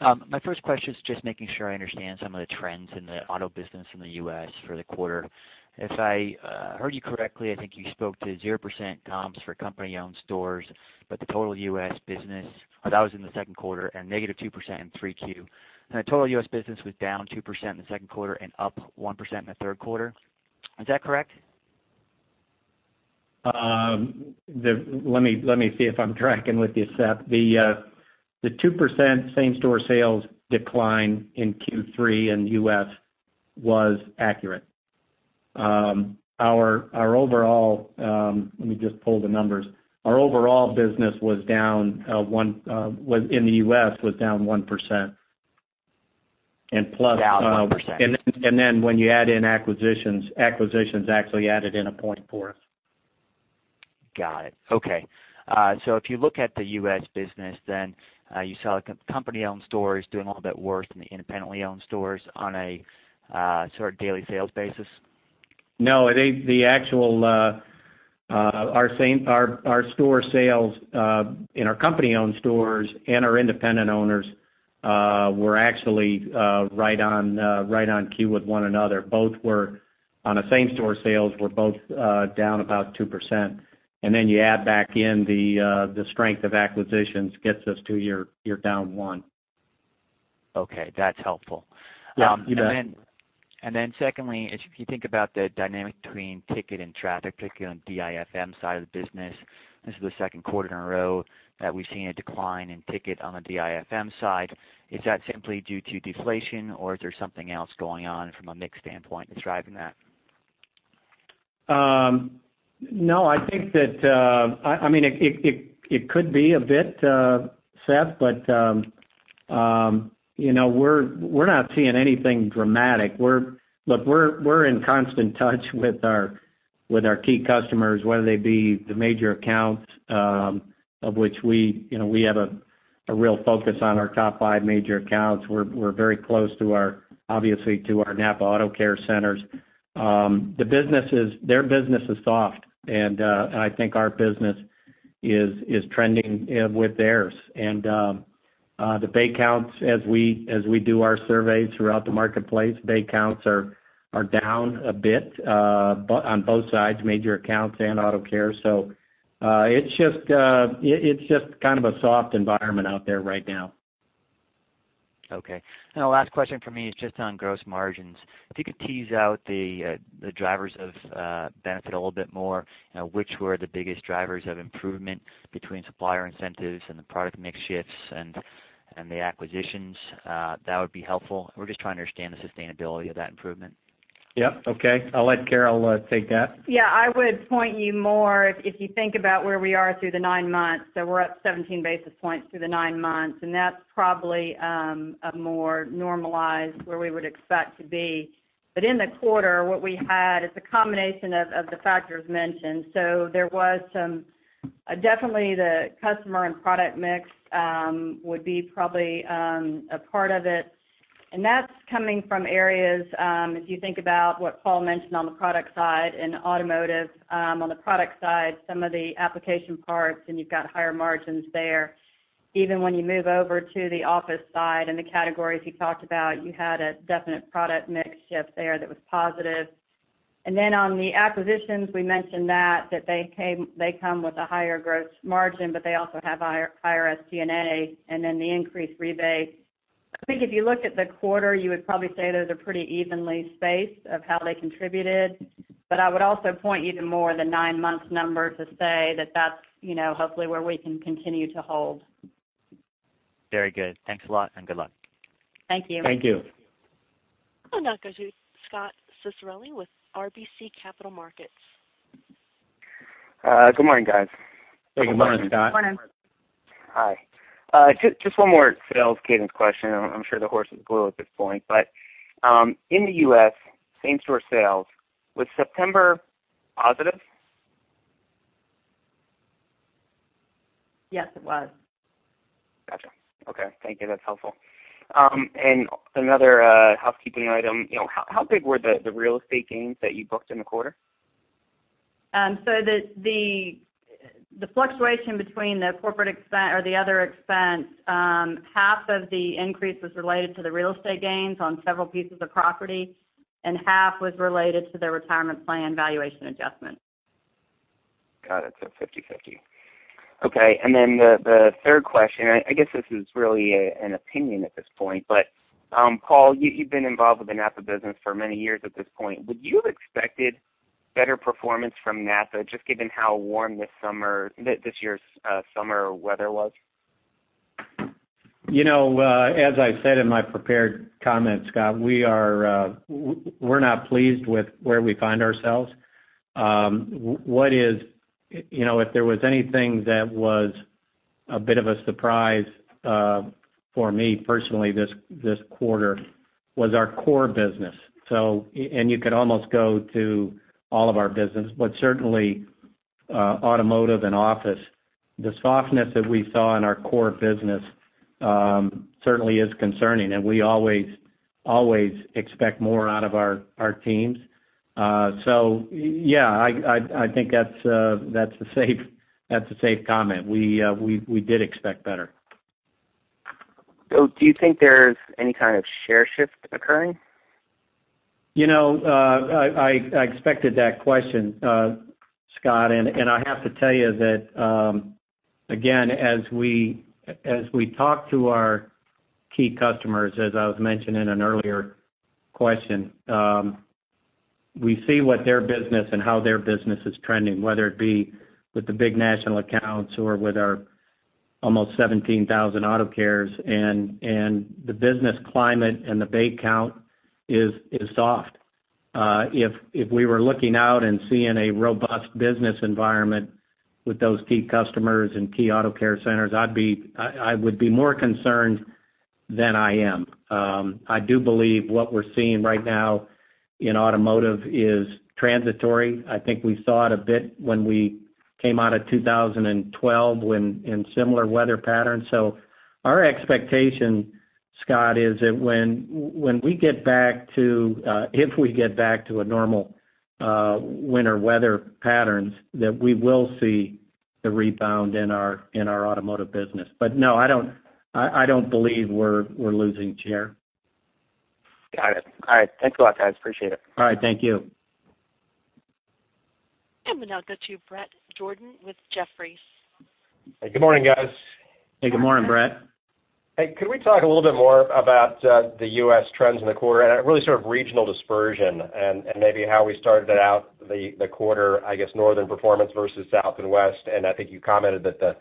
My first question is just making sure I understand some of the trends in the auto business in the U.S. for the quarter. If I heard you correctly, I think you spoke to 0% comps for company-owned stores, but the total U.S. business, that was in the second quarter and negative 2% in 3Q. The total U.S. business was down 2% in the second quarter and up 1% in the third quarter. Is that correct? Let me see if I'm tracking with you, Seth. The 2% same-store sales decline in Q3 in the U.S. was accurate. Let me just pull the numbers. Our overall business in the U.S. was down 1%. Down 1%. When you add in acquisitions actually added in a 0.4. Got it. Okay. If you look at the U.S. business, then you saw company-owned stores doing a little bit worse than the independently owned stores on a sort of daily sales basis? No, our store sales in our company-owned stores and our independent owners were actually right on cue with one another. Both were, on a same-store sales, were both down about 2%. You add back in the strength of acquisitions gets us to your down 1%. Okay. That's helpful. Yeah. Secondly, if you think about the dynamic between ticket and traffic, particularly on the DIFM side of the business, this is the second quarter in a row that we've seen a decline in ticket on the DIFM side. Is that simply due to deflation, or is there something else going on from a mix standpoint that's driving that? No. It could be a bit, Seth, but we're not seeing anything dramatic. Look, we're in constant touch with our key customers, whether they be the major accounts, of which we have a real focus on our top five major accounts. We're very close, obviously, to our NAPA Auto Care Centers. Their business is soft, and I think our business is trending with theirs. The bay counts, as we do our surveys throughout the marketplace, bay counts are down a bit on both sides, major accounts and auto care. It's just kind of a soft environment out there right now. Okay. The last question from me is just on gross margins. If you could tease out the drivers of benefit a little bit more, which were the biggest drivers of improvement between supplier incentives and the product mix shifts and the acquisitions, that would be helpful. We're just trying to understand the sustainability of that improvement. Yep. Okay. I'll let Carol take that. Yeah, I would point you more, if you think about where we are through the nine months. We're up 17 basis points through the nine months, and that's probably a more normalized where we would expect to be. In the quarter, what we had is a combination of the factors mentioned. Definitely the customer and product mix would be probably a part of it. That's coming from areas, if you think about what Paul mentioned on the product side, in automotive, on the product side, some of the application parts and you've got higher margins there. Even when you move over to the office side and the categories he talked about, you had a definite product mix shift there that was positive. On the acquisitions, we mentioned that they come with a higher gross margin, they also have higher SG&A, the increased rebate. I think if you look at the quarter, you would probably say those are pretty evenly spaced of how they contributed. I would also point you to more the nine-month number to say that that's hopefully where we can continue to hold. Very good. Thanks a lot and good luck. Thank you. Thank you. I'll now go to Scot Ciccarelli with RBC Capital Markets. Good morning, guys. Good morning, Scot. Morning. Hi. Just one more sales cadence question. I'm sure the horse is blue at this point. In the U.S., same-store sales, was September positive? Yes, it was. Gotcha. Okay. Thank you. That's helpful. Another housekeeping item. How big were the real estate gains that you booked in the quarter? The fluctuation between the corporate expense or the other expense, half of the increase was related to the real estate gains on several pieces of property, and half was related to the retirement plan valuation adjustment. Got it, 50/50. Okay. The third question, I guess this is really an opinion at this point, but Paul, you've been involved with the NAPA business for many years at this point. Would you have expected better performance from NAPA, just given how warm this year's summer weather was? As I said in my prepared comment, Scot, we're not pleased with where we find ourselves. If there was anything that was a bit of a surprise for me personally this quarter was our core business. You could almost go to all of our business, but certainly automotive and office. The softness that we saw in our core business certainly is concerning, and we always expect more out of our teams. Yeah, I think that's a safe comment. We did expect better. Do you think there's any kind of share shift occurring? I expected that question, Scot, and I have to tell you that, again, as we talk to our key customers, as I was mentioning in an earlier question, we see what their business and how their business is trending, whether it be with the big national accounts or with our almost 17,000 Auto Cares and the business climate and the bay count is soft. If we were looking out and seeing a robust business environment with those key customers and key Auto Care centers, I would be more concerned than I am. I do believe what we're seeing right now in automotive is transitory. I think we saw it a bit when we came out of 2012 in similar weather patterns. Our expectation Scot, is that if we get back to a normal winter weather patterns, that we will see the rebound in our automotive business. No, I don't believe we're losing share. Got it. All right. Thanks a lot, guys. Appreciate it. All right. Thank you. We'll now go to Bret Jordan with Jefferies. Hey. Good morning, guys. Hey, good morning, Bret. Hey, could we talk a little bit more about the U.S. trends in the quarter, and really sort of regional dispersion and maybe how we started out the quarter, I guess, northern performance versus south and west, and I think you commented that the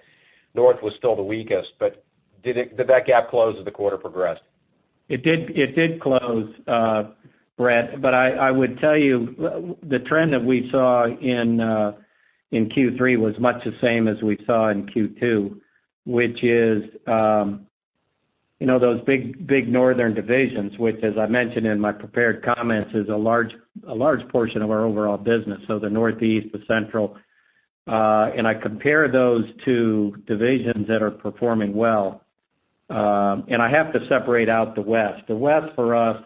north was still the weakest, but did that gap close as the quarter progressed? It did close, Bret, I would tell you the trend that we saw in Q3 was much the same as we saw in Q2, which is those big northern divisions, which as I mentioned in my prepared comments, is a large portion of our overall business, so the Northeast, the Central, I compare those to divisions that are performing well. I have to separate out the West. The West for us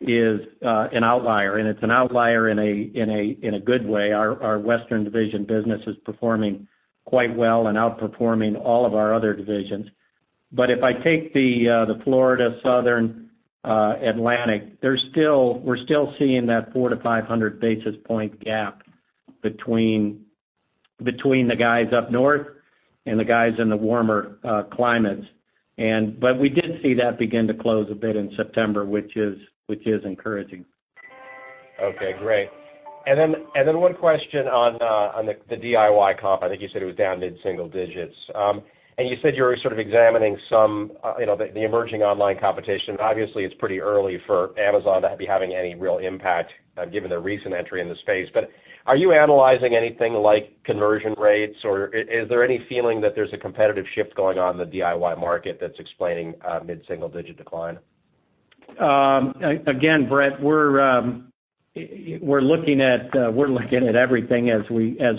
is an outlier, and it's an outlier in a good way. Our Western division business is performing quite well and outperforming all of our other divisions. If I take the Florida, Southern Atlantic, we're still seeing that 400-500 basis point gap between the guys up north and the guys in the warmer climates. We did see that begin to close a bit in September, which is encouraging. Okay, great. Then one question on the DIY comp. I think you said it was down mid-single digits. You said you were sort of examining some the emerging online competition. Obviously, it's pretty early for Amazon to be having any real impact given their recent entry in the space. Are you analyzing anything like conversion rates, or is there any feeling that there's a competitive shift going on in the DIY market that's explaining mid-single digit decline? Again, Bret, we're looking at everything as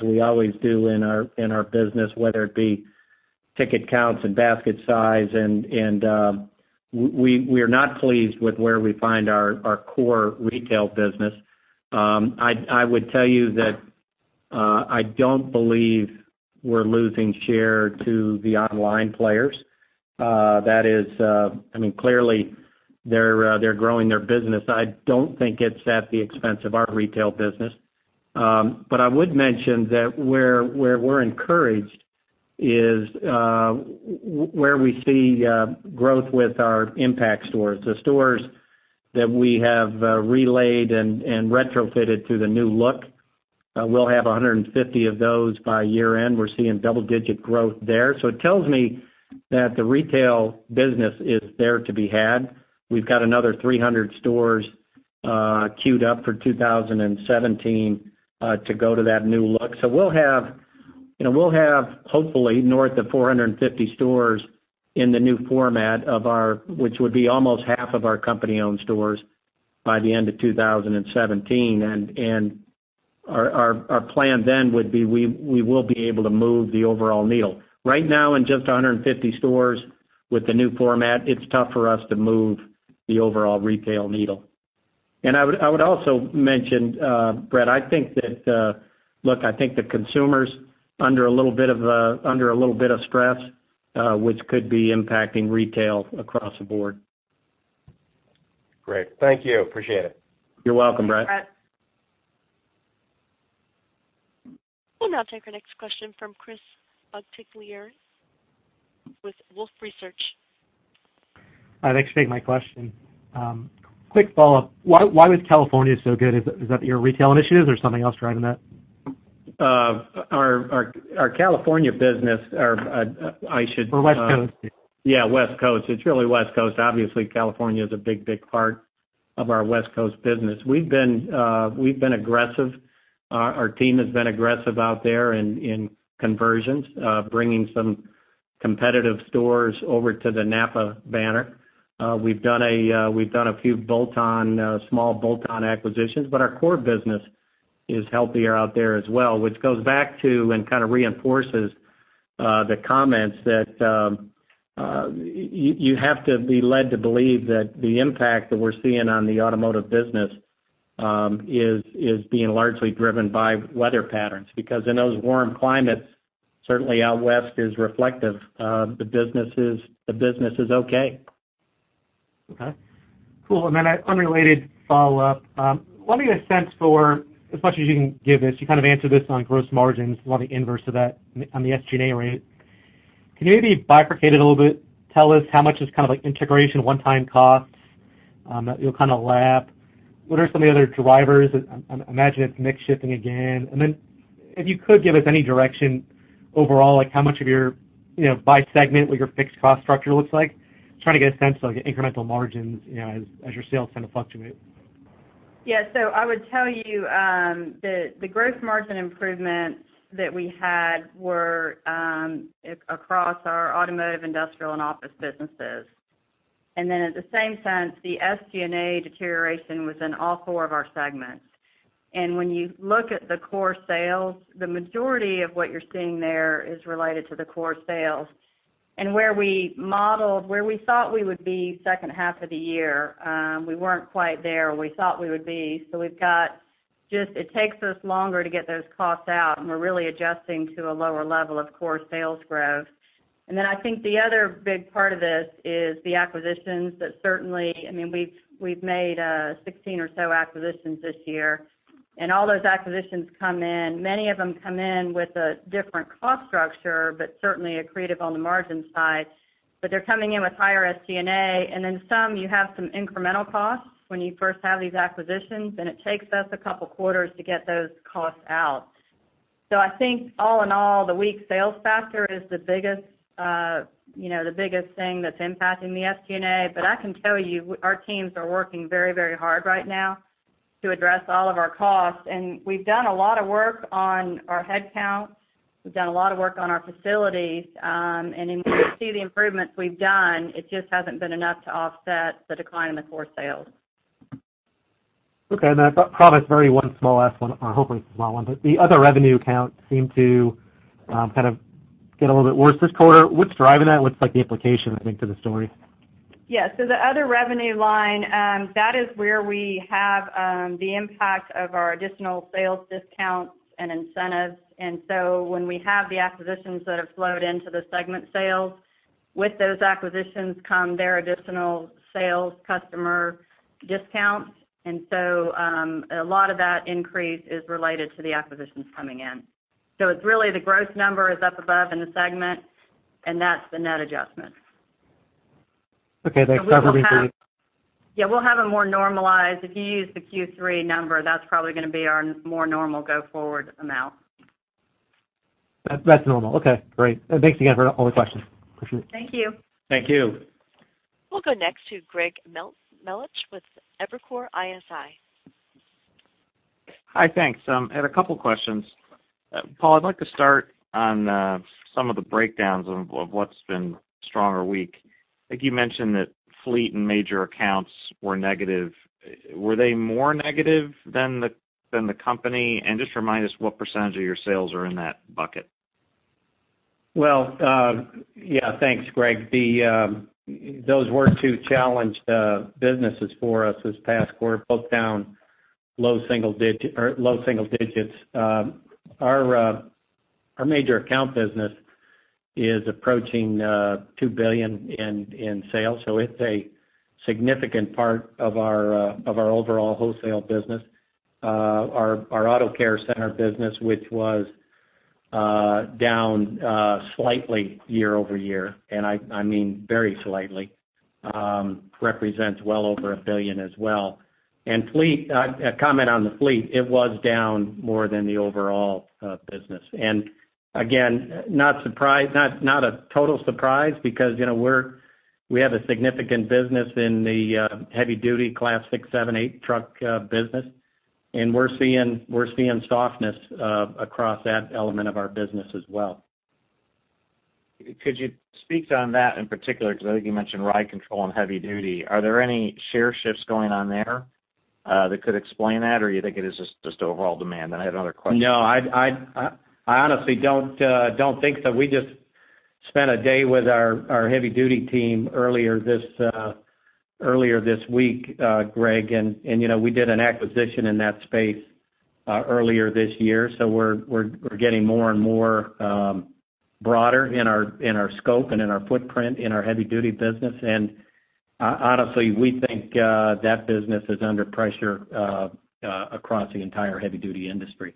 we always do in our business, whether it be ticket counts and basket size. We are not pleased with where we find our core retail business. I would tell you that I don't believe we're losing share to the online players. Clearly, they're growing their business. I don't think it's at the expense of our retail business. I would mention that where we're encouraged is where we see growth with our impact stores, the stores that we have relayed and retrofitted to the new look. We'll have 150 of those by year-end. We're seeing double-digit growth there. It tells me that the retail business is there to be had. We've got another 300 stores queued up for 2017 to go to that new look. We'll have, hopefully, north of 450 stores in the new format, which would be almost half of our company-owned stores by the end of 2017. Our plan then would be we will be able to move the overall needle. Right now in just 150 stores with the new format, it's tough for us to move the overall retail needle. I would also mention, Bret, I think that consumers under a little bit of stress, which could be impacting retail across the board. Great. Thank you. Appreciate it. You're welcome, Bret. Thanks, Bret. We'll now take our next question from Chris Morticlier with Wolfe Research. Thanks for taking my question. Quick follow-up. Why was California so good? Is that your retail initiatives or something else driving that? Our California business. West Coast. Yeah, West Coast. It's really West Coast. Obviously, California is a big, big part of our West Coast business. We've been aggressive. Our team has been aggressive out there in conversions, bringing some competitive stores over to the NAPA banner. We've done a few small bolt-on acquisitions, but our core business is healthier out there as well, which goes back to and kind of reinforces the comments that you have to be led to believe that the impact that we're seeing on the automotive business is being largely driven by weather patterns, because in those warm climates, certainly out west is reflective. The business is okay. Okay. Cool. An unrelated follow-up. Want to get a sense for as much as you can give this, you kind of answered this on gross margins. Want the inverse of that on the SG&A rate. Can you maybe bifurcate it a little? Tell us how much is kind of like integration, one-time costs that you'll kind of lap. What are some of the other drivers? I imagine it's mix shifting again. If you could give us any direction overall, like how much of your, by segment, what your fixed cost structure looks like. Trying to get a sense of the incremental margins, as your sales kind of fluctuate. I would tell you, the gross margin improvements that we had were across our automotive, industrial, and office businesses. At the same sense, the SG&A deterioration was in all four of our segments. When you look at the core sales, the majority of what you're seeing there is related to the core sales. Where we modeled, where we thought we would be second half of the year, we weren't quite there. We thought we would be. It takes us longer to get those costs out, and we're really adjusting to a lower level of core sales growth. I think the other big part of this is the acquisitions that certainly, we've made 16 or so acquisitions this year, and all those acquisitions come in. Many of them come in with a different cost structure, but certainly accretive on the margin side. They're coming in with higher SG&A, and in some you have some incremental costs when you first have these acquisitions, and it takes us a couple of quarters to get those costs out. I think all in all, the weak sales factor is the biggest thing that's impacting the SG&A. I can tell you, our teams are working very hard right now to address all of our costs, and we've done a lot of work on our headcount. We've done a lot of work on our facilities, and when you see the improvements we've done, it just hasn't been enough to offset the decline in the core sales. Okay. I promise, Barry, one small last one, or hopefully a small one, the other revenue count seemed to kind of get a little bit worse this quarter. What's driving that? What's the implication, I think, to the story? The other revenue line, that is where we have the impact of our additional sales discounts and incentives. When we have the acquisitions that have flowed into the segment sales, with those acquisitions come their additional sales customer discounts. A lot of that increase is related to the acquisitions coming in. It's really the gross number is up above in the segment, and that's the net adjustment. Okay, thanks. Yeah, we'll have a more normalized, if you use the Q3 number, that's probably going to be our more normal go forward amount. That's normal. Okay, great. Thanks again for all the questions. Appreciate it. Thank you. Thank you. We'll go next to Greg Melich with Evercore ISI. Hi, thanks. I had a couple questions. Paul, I'd like to start on some of the breakdowns of what's been strong or weak. I think you mentioned that fleet and major accounts were negative. Were they more negative than the company? Just remind us what percentage of your sales are in that bucket. Well, yeah. Thanks, Greg. Those were two challenged businesses for us this past quarter, both down low single digits. Our major account business is approaching $2 billion in sales, so it's a significant part of our overall wholesale business. Our Auto Care Center business, which was down slightly year-over-year, and I mean very slightly, represents well over $1 billion as well. A comment on the fleet, it was down more than the overall business. Again, not a total surprise because we have a significant business in the heavy duty Class 6, 7, 8 truck business, and we're seeing softness across that element of our business as well. Could you speak on that in particular, because I think you mentioned ride control and heavy duty. Are there any share shifts going on there that could explain that, or you think it is just overall demand? I had another question. No, I honestly don't think so. We just spent a day with our heavy duty team earlier this week, Greg, and we did an acquisition in that space earlier this year. We're getting more and more broader in our scope and in our footprint in our heavy duty business. Honestly, we think that business is under pressure across the entire heavy duty industry.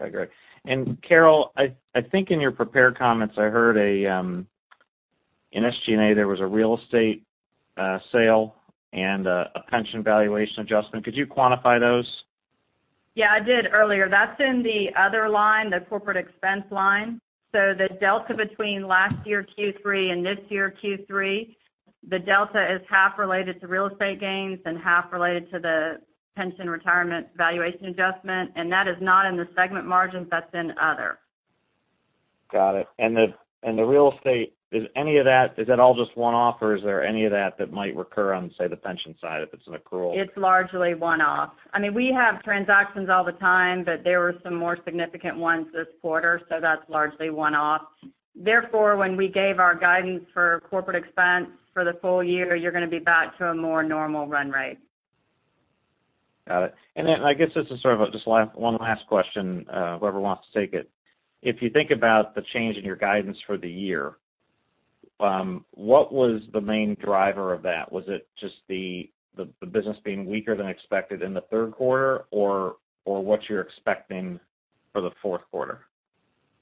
Okay, great. Carol, I think in your prepared comments, I heard in SG&A, there was a real estate sale and a pension valuation adjustment. Could you quantify those? Yeah, I did earlier. That's in the other line, the corporate expense line. The delta between last year Q3 and this year Q3, the delta is half related to real estate gains and half related to the pension retirement valuation adjustment, and that is not in the segment margins, that's in other. Got it. The real estate, is that all just one-off or is there any of that that might recur on, say, the pension side if it's an accrual? It's largely one-off. We have transactions all the time, but there were some more significant ones this quarter, so that's largely one-off. When we gave our guidance for corporate expense for the full year, you're going to be back to a more normal run rate. Got it. I guess this is sort of just one last question, whoever wants to take it. If you think about the change in your guidance for the year, what was the main driver of that? Was it just the business being weaker than expected in the third quarter or what you're expecting for the fourth quarter?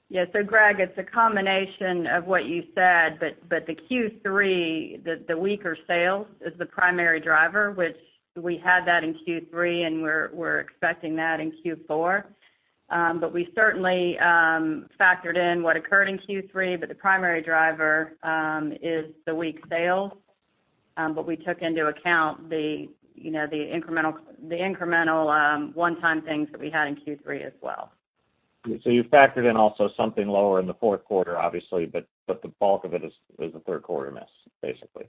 Yeah. Greg, it's a combination of what you said, the Q3, the weaker sales is the primary driver, which we had that in Q3, and we're expecting that in Q4. We certainly factored in what occurred in Q3, the primary driver is the weak sales. We took into account the incremental one-time things that we had in Q3 as well. You factored in also something lower in the fourth quarter, obviously, but the bulk of it is the third quarter miss, basically?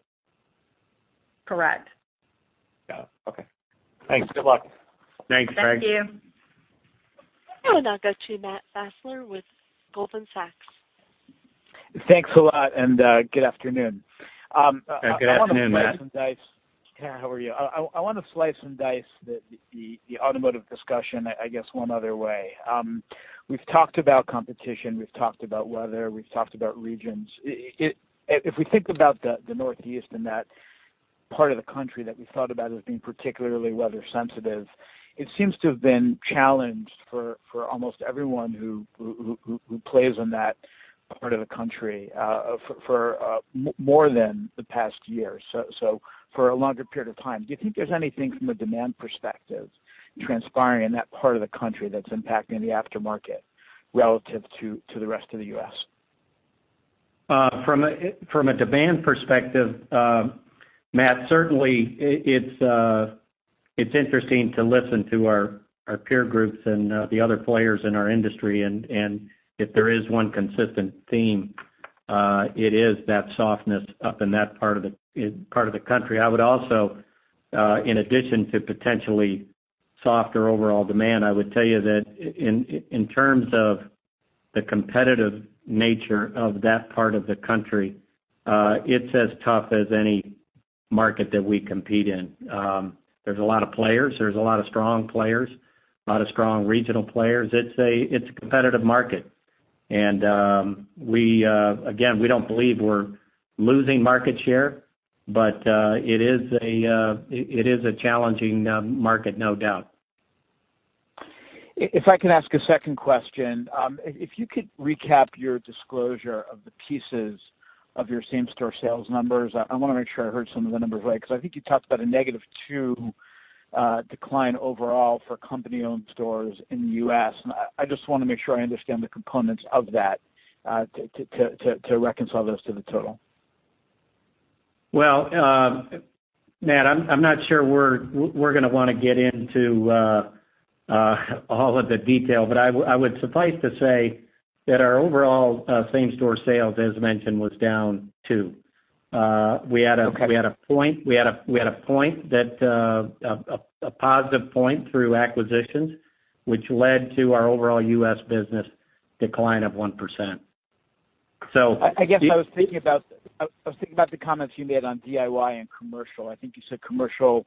Correct. Got it. Okay. Thanks. Good luck. Thanks, Greg. Thank you. I will now go to Matt Fassler with Goldman Sachs. Thanks a lot, good afternoon. Good afternoon, Matt. Yeah, how are you? I want to slice and dice the automotive discussion, I guess, one other way. We've talked about competition, we've talked about weather, we've talked about regions. If we think about the Northeast and that part of the country that we thought about as being particularly weather sensitive, it seems to have been challenged for almost everyone who plays in that part of the country for more than the past year, so for a longer period of time. Do you think there's anything from a demand perspective transpiring in that part of the country that's impacting the aftermarket relative to the rest of the U.S.? From a demand perspective, Matt, certainly, it's interesting to listen to our peer groups and the other players in our industry. If there is one consistent theme, it is that softness up in that part of the country. I would also, in addition to potentially softer overall demand, I would tell you that in terms of the competitive nature of that part of the country, it's as tough as any market that we compete in. There's a lot of players, there's a lot of strong players, a lot of strong regional players. It's a competitive market. Again, we don't believe we're losing market share, but it is a challenging market, no doubt. If I can ask a second question. If you could recap your disclosure of the pieces of your same-store sales numbers. I want to make sure I heard some of the numbers right, because I think you talked about a negative two decline overall for company-owned stores in the U.S., I just want to make sure I understand the components of that to reconcile those to the total. Well, Matt, I'm not sure we're going to want to get into all of the detail, but I would suffice to say that our overall same-store sales, as mentioned, was down two. Okay. We had a positive point through acquisitions, which led to our overall U.S. business decline of 1%. I guess I was thinking about the comments you made on DIY and commercial. I think you said commercial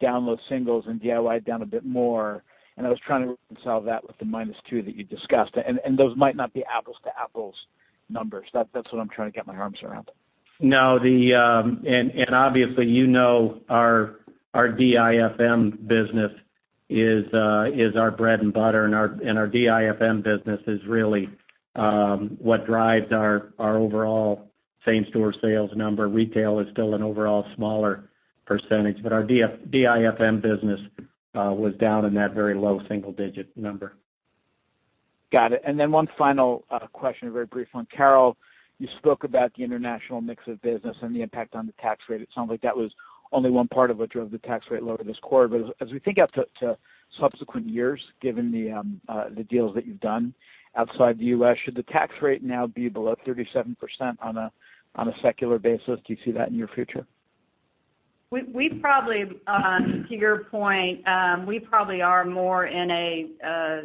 down low singles and DIY down a bit more, and I was trying to reconcile that with the -2 that you discussed, and those might not be apples-to-apples numbers. That's what I'm trying to get my arms around. No. Obviously, you know our DIFM business is our bread and butter, and our DIFM business is really what drives our overall same-store sales number. Retail is still an overall smaller percentage. Our DIFM business was down in that very low single-digit number. Got it. Then one final question, a very brief one. Carol, you spoke about the international mix of business and the impact on the tax rate. It sounds like that was only one part of what drove the tax rate lower this quarter. As we think out to subsequent years, given the deals that you've done outside the U.S., should the tax rate now be below 37% on a secular basis? Do you see that in your future? We probably, to your point, we probably are more in a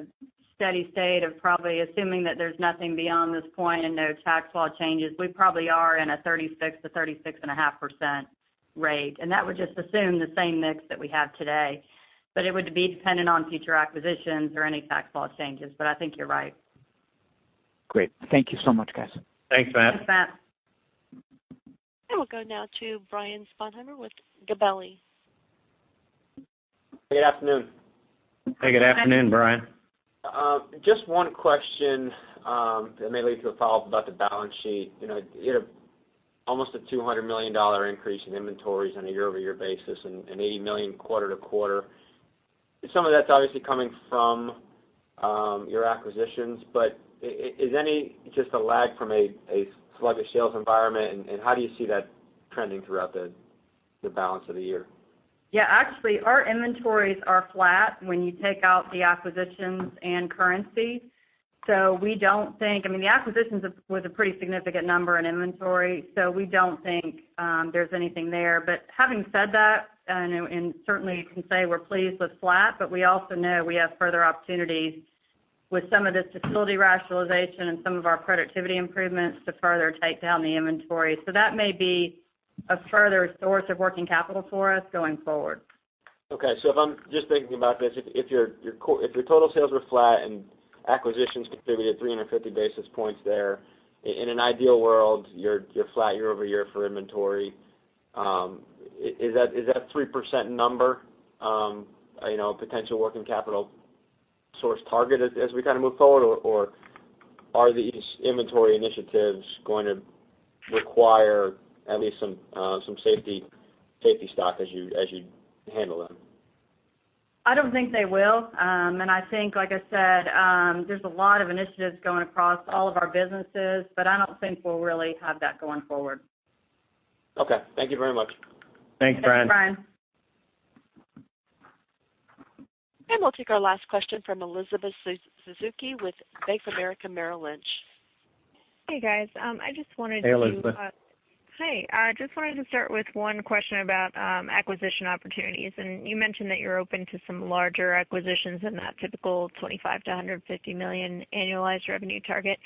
steady state of probably assuming that there's nothing beyond this point and no tax law changes. We probably are in a 36% to 36.5% rate. That would just assume the same mix that we have today. It would be dependent on future acquisitions or any tax law changes. I think you're right. Great. Thank you so much, guys. Thanks, Matt. Thanks, Matt. We'll go now to Brian Sponheimer with Gabelli. Good afternoon. Hey. Good afternoon, Brian. Just one question, it may lead to a follow-up about the balance sheet. You had almost a $200 million increase in inventories on a year-over-year basis and $80 million quarter-to-quarter. Some of that's obviously coming from your acquisitions, is any just a lag from a sluggish sales environment, and how do you see that trending throughout the balance of the year? Yeah. Actually, our inventories are flat when you take out the acquisitions and currency. I mean, the acquisitions was a pretty significant number in inventory, we don't think there's anything there. Having said that, and certainly you can say we're pleased with flat, we also know we have further opportunities with some of this facility rationalization and some of our productivity improvements to further take down the inventory. That may be a further source of working capital for us going forward. Okay. If I'm just thinking about this, if your total sales were flat and acquisitions contributed 350 basis points there, in an ideal world, you're flat year-over-year for inventory. Is that 3% number a potential working capital source target as we kind of move forward, or are these inventory initiatives going to require at least some safety stock as you handle them? I don't think they will. I think, like I said, there's a lot of initiatives going across all of our businesses, but I don't think we'll really have that going forward. Okay. Thank you very much. Thanks, Brian. We'll take our last question from Elizabeth Suzuki with Bank of America Merrill Lynch. Hey, guys. Hey, Elizabeth. Hi. I just wanted to start with one question about acquisition opportunities. You mentioned that you're open to some larger acquisitions than that typical $25 million-$150 million annualized revenue target.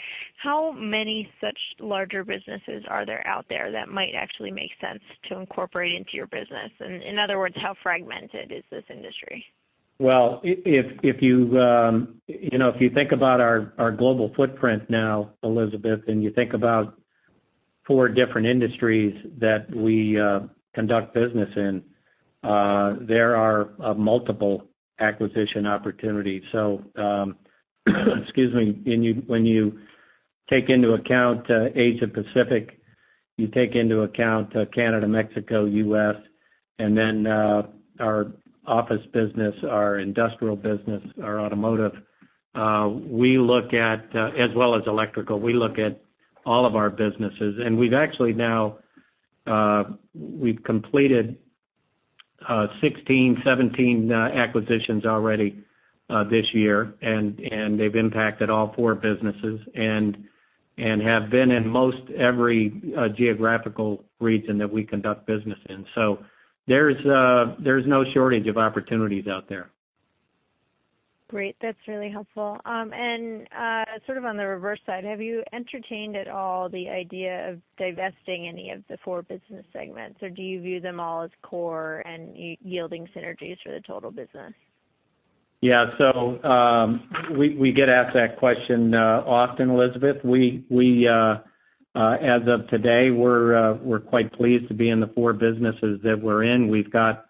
How many such larger businesses are there out there that might actually make sense to incorporate into your business? In other words, how fragmented is this industry? Well, if you think about our global footprint now, Elizabeth, you think about four different industries that we conduct business in, there are multiple acquisition opportunities. Excuse me. When you take into account Asia Pacific, you take into account Canada, Mexico, U.S., and then our office business, our industrial business, our automotive, as well as electrical, we look at all of our businesses. We've actually now completed 16, 17 acquisitions already this year, and they've impacted all four businesses and have been in most every geographical region that we conduct business in. There's no shortage of opportunities out there. Great. That's really helpful. Sort of on the reverse side, have you entertained at all the idea of divesting any of the four business segments, or do you view them all as core and yielding synergies for the total business? Yeah. We get asked that question often, Elizabeth. As of today, we're quite pleased to be in the four businesses that we're in. We've got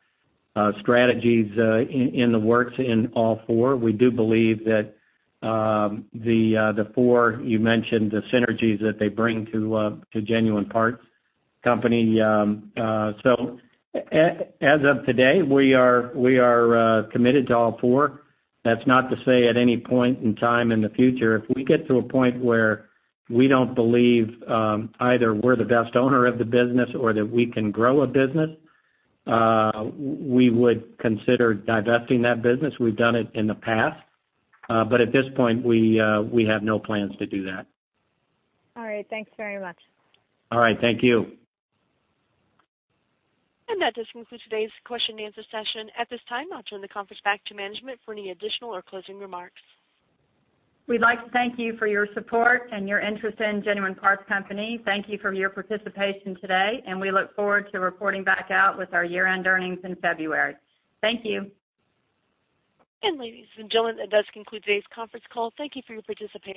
strategies in the works in all four. We do believe that the four you mentioned, the synergies that they bring to Genuine Parts Company. As of today, we are committed to all four. That's not to say at any point in time in the future, if we get to a point where we don't believe either we're the best owner of the business or that we can grow a business, we would consider divesting that business. We've done it in the past. At this point, we have no plans to do that. All right. Thanks very much. All right. Thank you. That does conclude today's question and answer session. At this time, I'll turn the conference back to management for any additional or closing remarks. We'd like to thank you for your support and your interest in Genuine Parts Company. Thank you for your participation today, and we look forward to reporting back out with our year-end earnings in February. Thank you. Ladies and gentlemen, that does conclude today's conference call. Thank you for your participation.